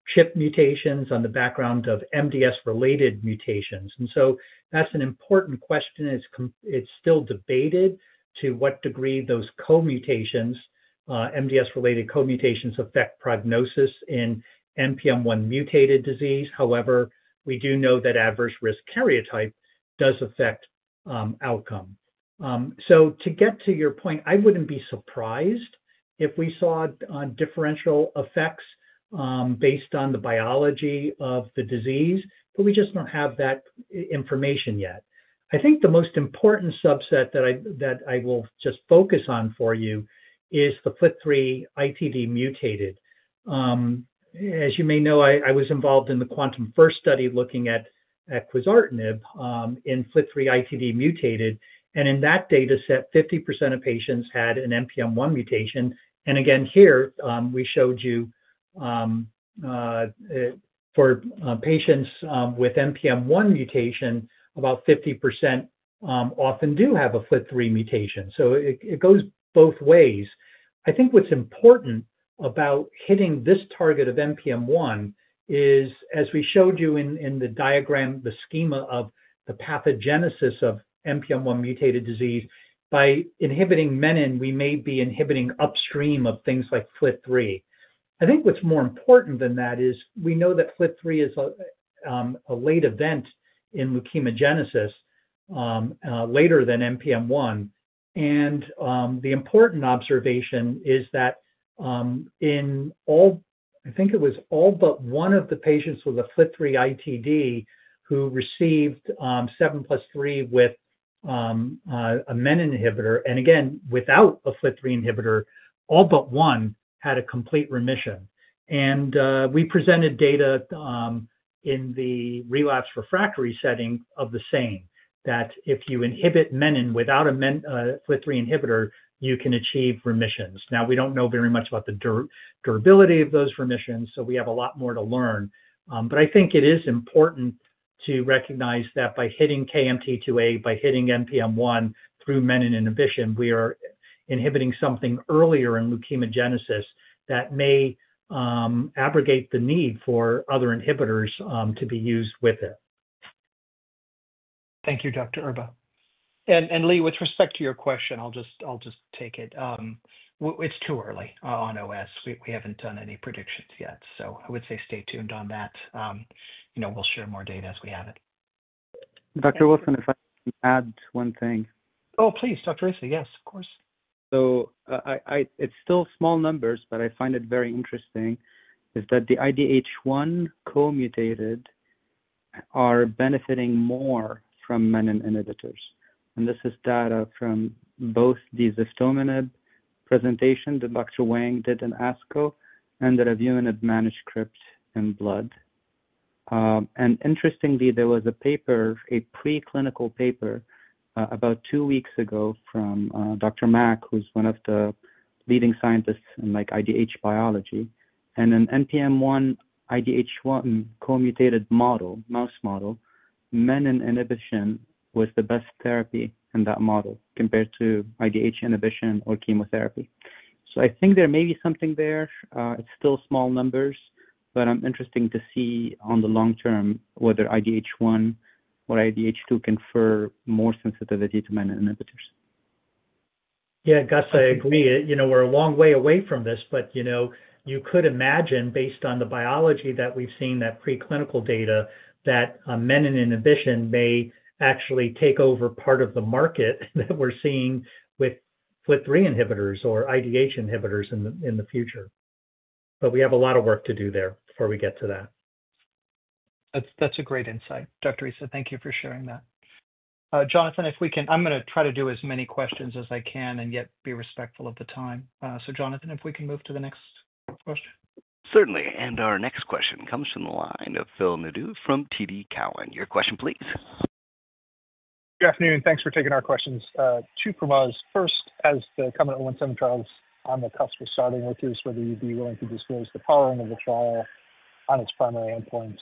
of CHIP mutations, on the background of MDS-related mutations. And so that's an important question. It's still debated to what degree those MDS-related comutations affect prognosis in NPM1 mutated disease. However, we do know that adverse risk karyotype does affect outcome. To get to your point, I wouldn't be surprised if we saw differential effects based on the biology of the disease. We just don't have that information yet. I think the most important subset that I will just focus on for you is the FLT3 ITD mutated. As you may know, I was involved in the -First study looking at quizartinib in FLT3 ITD mutated. In that data set, 50% of patients had an NPM1 mutation. Again, here, we showed you for patients with NPM1 mutation, about 50% often do have a FLT3 mutation. It goes both ways. I think what is important about hitting this target of NPM1 is, as we showed you in the diagram, the schema of the pathogenesis of NPM1 mutated disease, by inhibiting menin, we may be inhibiting upstream of things like FLT3. I think what is more important than that is we know that FLT3 is a late event in leukemogenesis, later than NPM1. The important observation is that in all, I think it was all but one of the patients with a FLT3 ITD who received 7+3 with a menin inhibitor, and again, without a FLT3 inhibitor, all but one had a complete remission. We presented data in the relapsed refractory setting of the same, that if you inhibit menin without a FLT3 inhibitor, you can achieve remissions. Now, we do not know very much about the durability of those remissions. We have a lot more to learn. I think it is important to recognize that by hitting KMT2A, by hitting NPM1 through menin inhibition, we are inhibiting something earlier in leukemogenesis that may abrogate the need for other inhibitors to be used with it. Thank you, Dr. Erba. Li, with respect to your question, I'll just take it. It's too early on OS. We haven't done any predictions yet. I would say stay tuned on that. We'll share more data as we have it. Dr. Wilson, if I can add one thing. Oh, please, Dr. Issa. Yes, of course. It is still small numbers, but what I find very interesting is that the IDH1 comutated are benefiting more from menin inhibitors. This is data from both the ziftomenib presentation that Dr. Wang did in ASCO and the review and manuscript in Blood. Interestingly, there was a preclinical paper about two weeks ago from Dr. Mack, who is one of the leading scientists in IDH biology. In an NPM1 IDH1 comutated mouse model, menin inhibition was the best therapy in that model compared to IDH inhibition or chemotherapy. I think there may be something there. It is still small numbers. I'm interested to see on the long term whether IDH1 or IDH2 confer more sensitivity to menin inhibitors. Yeah, Ghayas, I agree. We're a long way away from this. You could imagine, based on the biology that we've seen, that preclinical data, that menin inhibition may actually take over part of the market that we're seeing with FLT3 inhibitors or IDH inhibitors in the future. We have a lot of work to do there before we get to that. That's a great insight. Dr. Issa, thank you for sharing that. Jonathan, if we can, I'm going to try to do as many questions as I can and yet be respectful of the time. Jonathan, if we can move to the next question. Certainly. Our next question comes from the line of Phil Nadeau from TD Cowen. Your question, please. Good afternoon. Thanks for taking our questions. Two from us. First, as the KOMET-017 trials, I'm accustomed to starting with you is whether you'd be willing to disclose the following of the trial on its primary endpoints.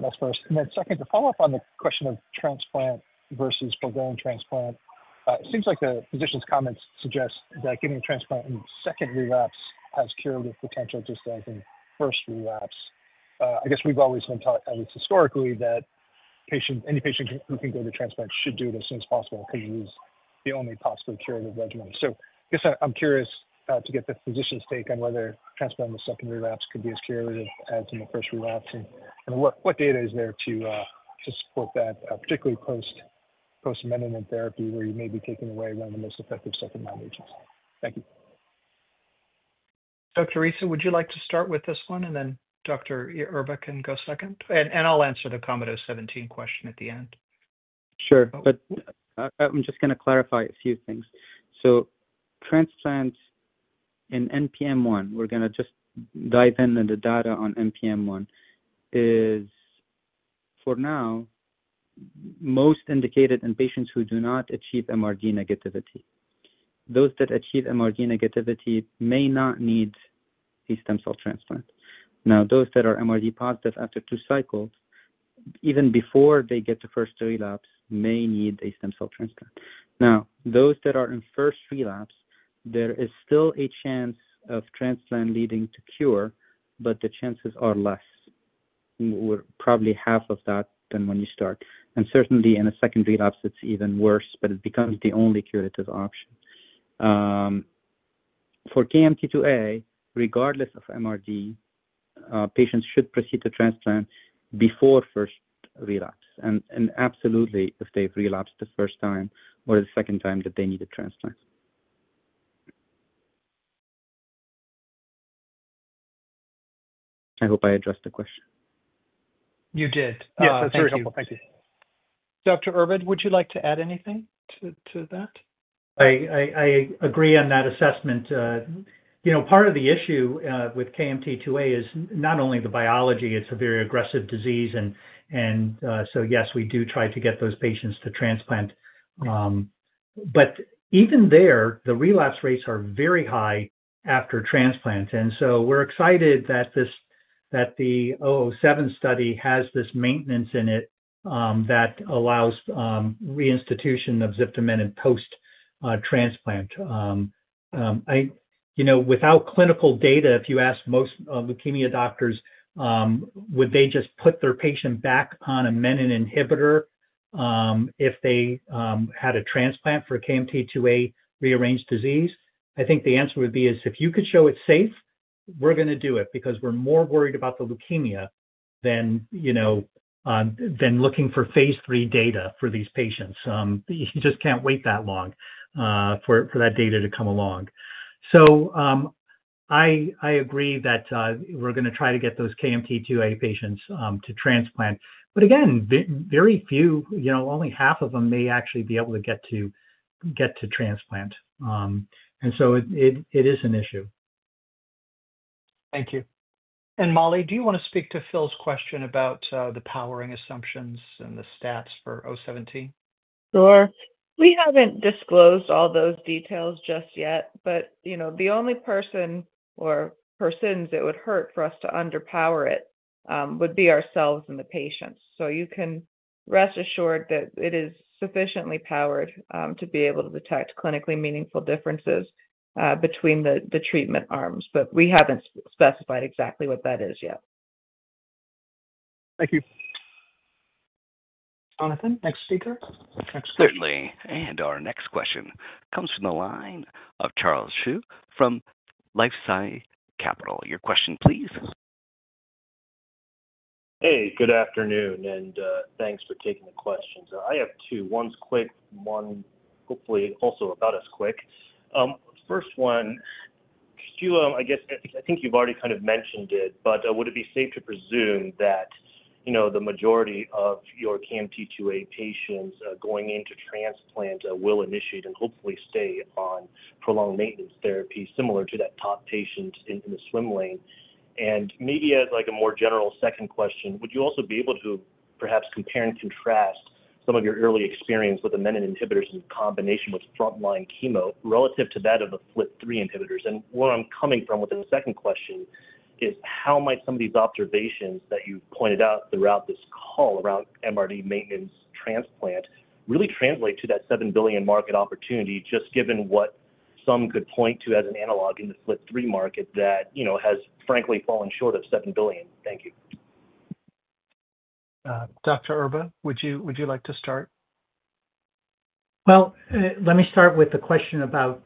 That's first. And then second, to follow up on the question of transplant versus programmed transplant, it seems like the physician's comments suggest that getting a transplant in the second relapse has curative potential just as in first relapse. I guess we've always been taught, at least historically, that any patient who can go to transplant should do it as soon as possible because it is the only possibly curative regimen. So I guess I'm curious to get the physician's take on whether transplant in the second relapse could be as curative as in the first relapse. What data is there to support that, particularly post menin inhibitor therapy where you may be taking away one of the most effective second-line agents? Thank you. Dr. Issa, would you like to start with this one? Dr. Erba can go second. I'll answer the common 017 question at the end. Sure. I'm just going to clarify a few things. Transplant in NPM1, we're going to just dive into the data on NPM1, is for now most indicated in patients who do not achieve MRD negativity. Those that achieve MRD negativity may not need a stem cell transplant. Those that are MRD positive after two cycles, even before they get to first relapse, may need a stem cell transplant. Those that are in first relapse, there is still a chance of transplant leading to cure, but the chances are less. We're probably half of that than when you start. Certainly, in a second relapse, it's even worse, but it becomes the only curative option. For KMT2A, regardless of MRD, patients should proceed to transplant before first relapse. Absolutely, if they've relapsed the first time or the second time, they need a transplant. I hope I addressed the question. You did. Yes. That's very helpful. Thank you. Dr. Erba, would you like to add anything to that? I agree on that assessment. Part of the issue with KMT2A is not only the biology. It's a very aggressive disease. Yes, we do try to get those patients to transplant. Even there, the relapse rates are very high after transplant. We're excited that the 007 study has this maintenance in it that allows reinstitution of ziftomenib post-transplant. Without clinical data, if you ask most leukemia doctors, would they just put their patient back on a menin inhibitor if they had a transplant for KMT2A rearranged disease? I think the answer would be if you could show it's safe, we're going to do it because we're more worried about the leukemia than looking for phase III data for these patients. You just can't wait that long for that data to come along. I agree that we're going to try to get those KMT2A patients to transplant. Again, very few, only half of them may actually be able to get to transplant. It is an issue. Thank you. Molly, do you want to speak to Phil's question about the powering assumptions and the stats for 017? Sure. We haven't disclosed all those details just yet. The only person or persons it would hurt for us to underpower it would be ourselves and the patients. You can rest assured that it is sufficiently powered to be able to detect clinically meaningful differences between the treatment arms. We have not specified exactly what that is yet. Thank you. Jonathan, next speaker. Next question. Certainly. Our next question comes from the line of Charles Hsu from LifeSci Capital. Your question, please. Hey, good afternoon, and thanks for taking the questions. I have two. One is quick. One, hopefully, also about as quick. First one, I guess I think you have already kind of mentioned it. Would it be safe to presume that the majority of your KMT2A patients going into transplant will initiate and hopefully stay on prolonged maintenance therapy similar to that top patient in the swim lane? Maybe as a more general second question, would you also be able to perhaps compare and contrast some of your early experience with the menin inhibitors in combination with frontline chemo relative to that of the FLT3 inhibitors? Where I'm coming from with the second question is, how might some of these observations that you've pointed out throughout this call around MRD maintenance transplant really translate to that $7 billion market opportunity just given what some could point to as an analog in the FLT3 market that has, frankly, fallen short of $7 billion? Thank you. Dr. Erba, would you like to start? Let me start with the question about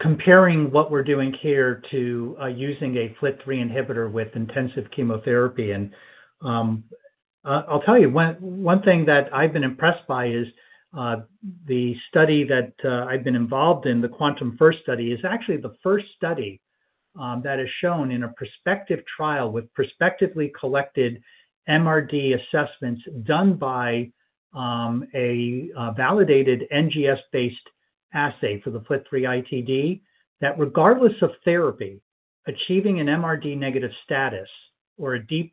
comparing what we're doing here to using a FLT3 inhibitor with intensive chemotherapy. I'll tell you, one thing that I've been impressed by is the study that I've been involved in, the QuANTUM-First study, is actually the first study that has shown in a prospective trial with prospectively collected MRD assessments done by a validated NGS-based assay for the FLT3 ITD that, regardless of therapy, achieving an MRD negative status or a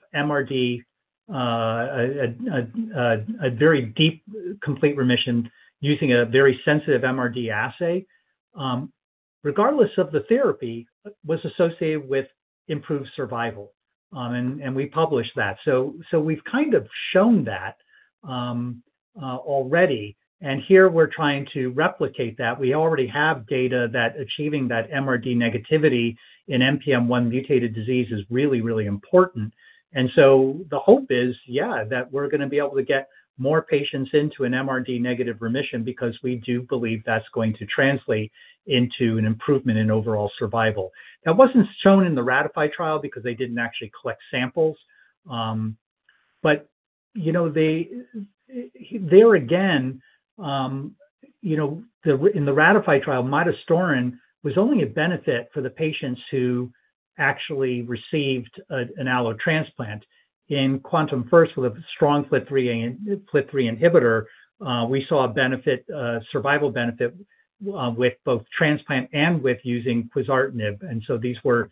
very deep complete remission using a very sensitive MRD assay, regardless of the therapy, was associated with improved survival. We published that. We've kind of shown that already. Here, we're trying to replicate that. We already have data that achieving that MRD negativity in NPM1 mutated disease is really, really important. The hope is, yeah, that we're going to be able to get more patients into an MRD negative remission because we do believe that's going to translate into an improvement in overall survival. That was not shown in the RATIFY trial because they did not actually collect samples. There again, in the RATIFY trial, midostaurin was only a benefit for the patients who actually received an allotransplant. In QuANTUM-First, with a strong FLT3 inhibitor, we saw a survival benefit with both transplant and with using quizartinib. These were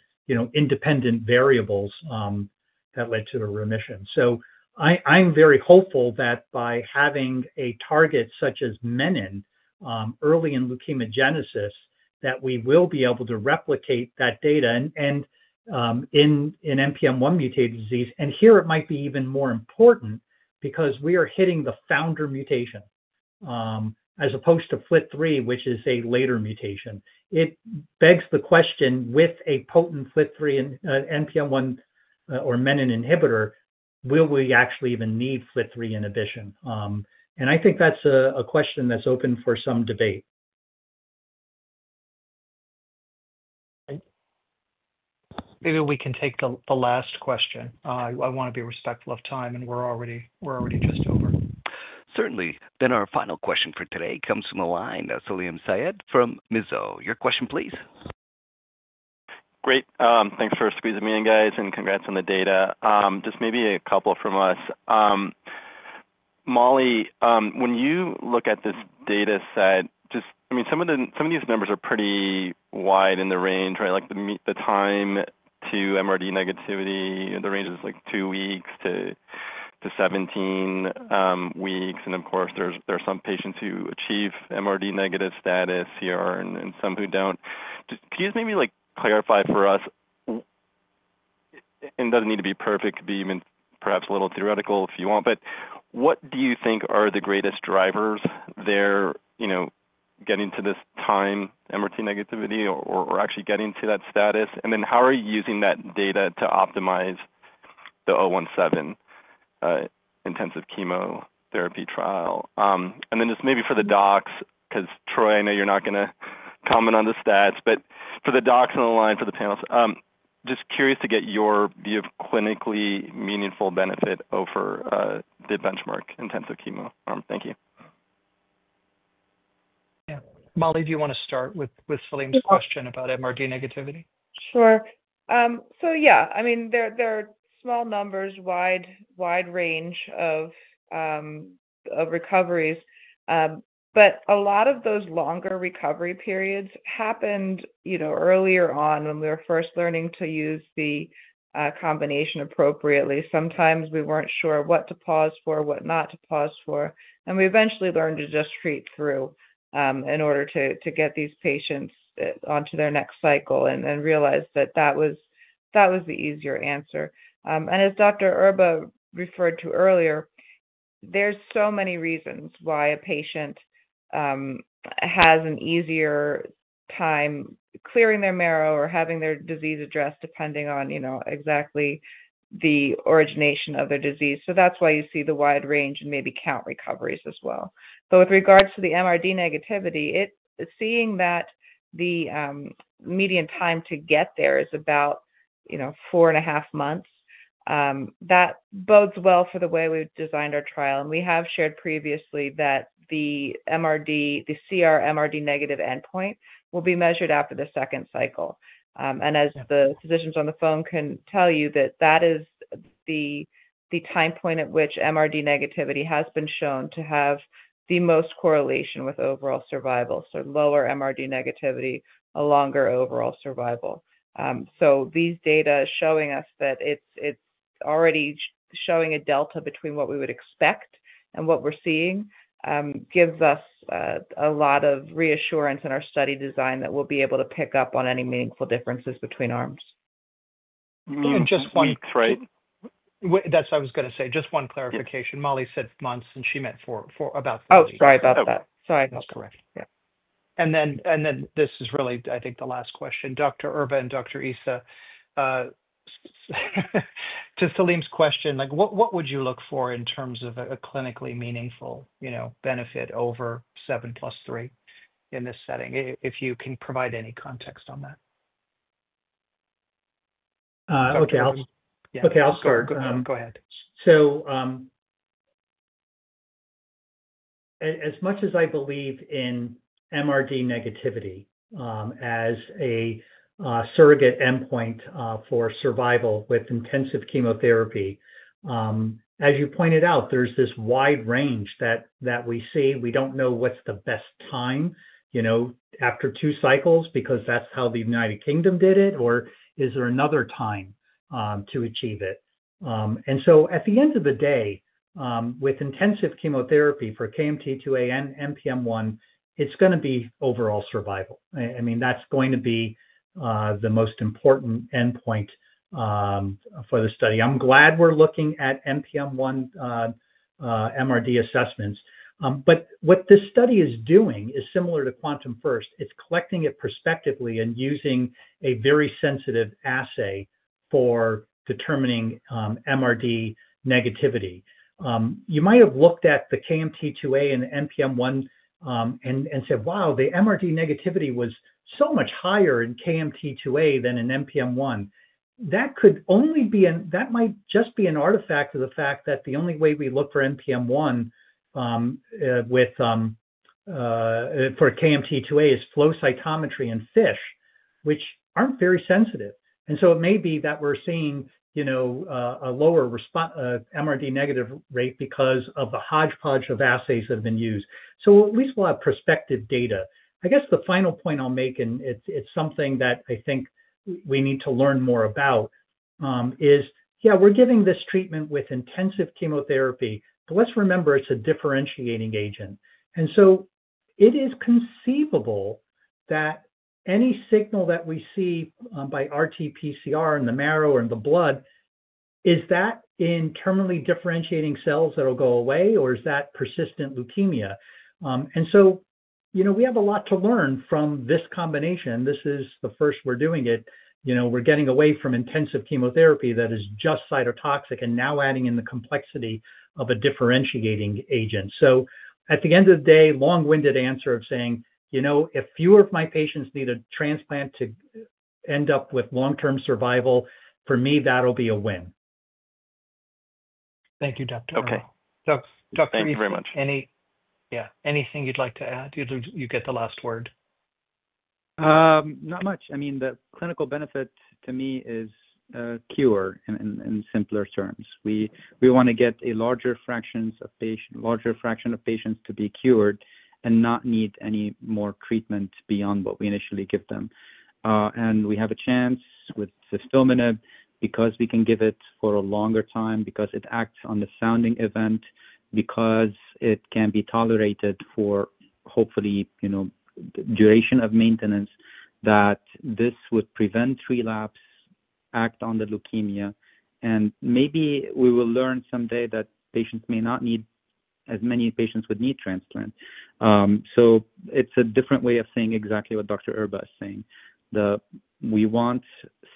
independent variables that led to a remission. I am very hopeful that by having a target such as menin early in leukemogenesis that we will be able to replicate that data in NPM1-mutated disease. Here, it might be even more important because we are hitting the founder mutation as opposed to FLT3, which is a later mutation. It begs the question, with a potent FLT3 and NPM1 or menin inhibitor, will we actually even need FLT3 inhibition? I think that is a question that is open for some debate. Maybe we can take the last question. I want to be respectful of time. We're already just over. Certainly. Our final question for today comes from the line of Salim Syed from Mizuho. Your question, please. Great. Thanks for squeezing me in, guys. Congrats on the data. Just maybe a couple from us. Mollie, when you look at this data set, I mean, some of these numbers are pretty wide in the range, right? The time to MRD negativity, the range is like 2 weeks-17 weeks. Of course, there are some patients who achieve MRD negative status here and some who do not. Could you just maybe clarify for us? It does not need to be perfect. It could be even perhaps a little theoretical if you want. What do you think are the greatest drivers there getting to this time MRD negativity or actually getting to that status? How are you using that data to optimize the 017 intensive chemotherapy trial? Just maybe for the docs, because Troy, I know you're not going to comment on the stats. For the docs on the line, for the panelists, just curious to get your view of clinically meaningful benefit over the benchmark intensive chemo arm. Thank you. Yeah. Molly, do you want to start with Salim's question about MRD negativity? Sure. Yeah. I mean, there are small numbers, wide range of recoveries. A lot of those longer recovery periods happened earlier on when we were first learning to use the combination appropriately. Sometimes we weren't sure what to pause for, what not to pause for. We eventually learned to just treat through in order to get these patients onto their next cycle and realized that that was the easier answer. As Dr. Erba referred to earlier, there are so many reasons why a patient has an easier time clearing their marrow or having their disease addressed depending on exactly the origination of their disease. That is why you see the wide range and maybe count recoveries as well. With regards to the MRD negativity, seeing that the median time to get there is about four and a half months, that bodes well for the way we designed our trial. We have shared previously that the CR MRD negative endpoint will be measured after the second cycle. As the physicians on the phone can tell you, that is the time point at which MRD negativity has been shown to have the most correlation with overall survival. Lower MRD negativity, a longer overall survival. These data showing us that it's already showing a delta between what we would expect and what we're seeing gives us a lot of reassurance in our study design that we'll be able to pick up on any meaningful differences between arms. Just one. — That's right. That's what I was going to say. Just one clarification. Mollie said months, and she meant about three weeks. Oh, sorry about that. Sorry about that. That's correct. Yeah. This is really, I think, the last question. Dr. Erba and Dr. Issa, to Salim's question, what would you look for in terms of a clinically meaningful benefit over 7+3 in this setting? If you can provide any context on that. Okay. I'll start. Go ahead. As much as I believe in MRD negativity as a surrogate endpoint for survival with intensive chemotherapy, as you pointed out, there's this wide range that we see. We don't know what's the best time after two cycles because that's how the United Kingdom did it, or is there another time to achieve it? At the end of the day, with intensive chemotherapy for KMT2A and NPM1, it's going to be overall survival. I mean, that's going to be the most important endpoint for the study. I'm glad we're looking at NPM1 MRD assessments. What this study is doing is similar to QuANTUM-First. It's collecting it prospectively and using a very sensitive assay for determining MRD negativity. You might have looked at the KMT2A and NPM1 and said, "Wow, the MRD negativity was so much higher in KMT2A than in NPM1." That could only be—that might just be an artifact of the fact that the only way we look for NPM1 for KMT2A is flow cytometry and FISH, which aren't very sensitive. It may be that we're seeing a lower MRD negative rate because of the hodgepodge of assays that have been used. At least we'll have prospective data. I guess the final point I'll make, and it's something that I think we need to learn more about, is, yeah, we're giving this treatment with intensive chemotherapy, but let's remember it's a differentiating agent. It is conceivable that any signal that we see by RT-PCR in the marrow or in the blood, is that in terminally differentiating cells that will go away, or is that persistent leukemia? We have a lot to learn from this combination. This is the first we are doing it. We are getting away from intensive chemotherapy that is just cytotoxic and now adding in the complexity of a differentiating agent. At the end of the day, long-winded answer of saying, "If fewer of my patients need a transplant to end up with long-term survival, for me, that will be a win." Thank you, Dr. Erba. Thank you very much. Yeah. Anything you would like to add? You get the last word. Not much. I mean, the clinical benefit to me is a cure in simpler terms. We want to get a larger fraction of patients to be cured and not need any more treatment beyond what we initially give them. We have a chance with ziftomenib because we can give it for a longer time, because it acts on the founding event, because it can be tolerated for hopefully duration of maintenance, that this would prevent relapse, act on the leukemia. Maybe we will learn someday that not as many patients would need transplant. It is a different way of saying exactly what Dr. Erba is saying. We want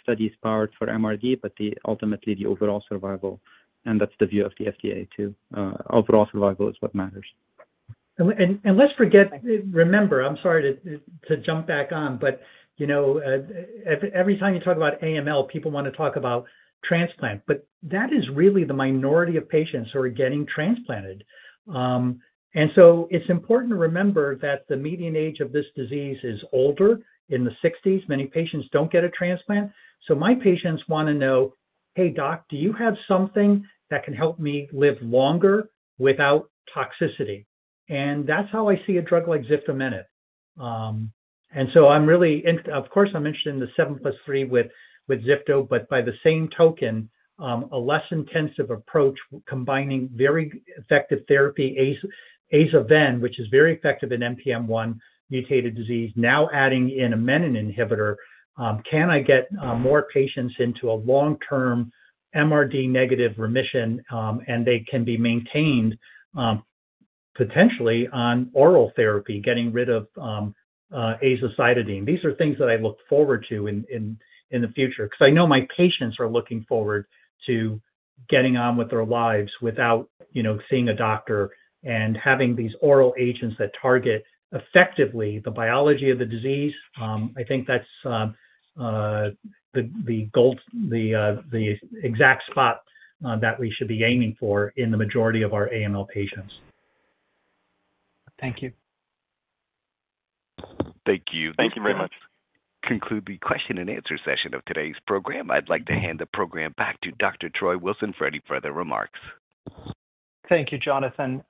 studies powered for MRD, but ultimately, the overall survival. That is the view of the FDA too. Overall survival is what matters. Let's forget—remember, I am sorry to jump back on, but every time you talk about AML, people want to talk about transplant. That is really the minority of patients who are getting transplanted. It is important to remember that the median age of this disease is older, in the 60s. Many patients do not get a transplant. My patients want to know, "Hey, doc, do you have something that can help me live longer without toxicity?" That is how I see a drug like ziftomenib. I am really—of course, I am interested in the 7+3 with ziftomenib. By the same token, a less intensive approach combining very effective therapy, aza-ven, which is very effective in NPM1-mutated disease, now adding in a menin inhibitor, can I get more patients into a long-term MRD-negative remission, and they can be maintained potentially on oral therapy, getting rid of azacitidine? These are things that I look forward to in the future because I know my patients are looking forward to getting on with their lives without seeing a doctor and having these oral agents that target effectively the biology of the disease. I think that's the exact spot that we should be aiming for in the majority of our AML patients. Thank you. Thank you. Thank you very much. Conclude the question and answer session of today's program. I'd like to hand the program back to Dr. Troy Wilson for any further remarks. Thank you, Jonathan.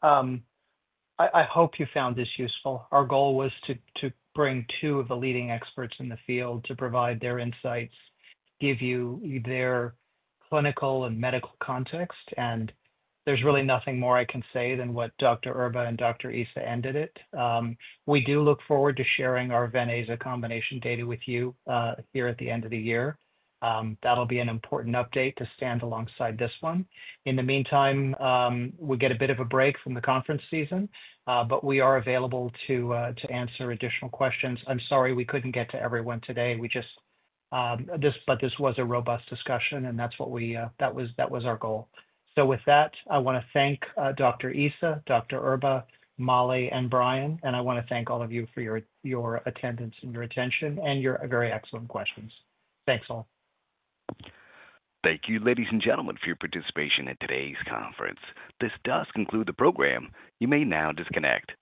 I hope you found this useful. Our goal was to bring two of the leading experts in the field to provide their insights, give you their clinical and medical context. There is really nothing more I can say than what Dr. Erba and Dr. Issa ended it. We do look forward to sharing our ven-aza combination data with you here at the end of the year. That'll be an important update to stand alongside this one. In the meantime, we get a bit of a break from the conference season, but we are available to answer additional questions. I'm sorry we couldn't get to everyone today. This was a robust discussion, and that was our goal. With that, I want to thank Dr. Issa, Dr. Erba, Mollie, and Brian. I want to thank all of you for your attendance and your attention and your very excellent questions. Thanks all. Thank you, ladies and gentlemen, for your participation in today's conference. This does conclude the program. You may now disconnect. Good.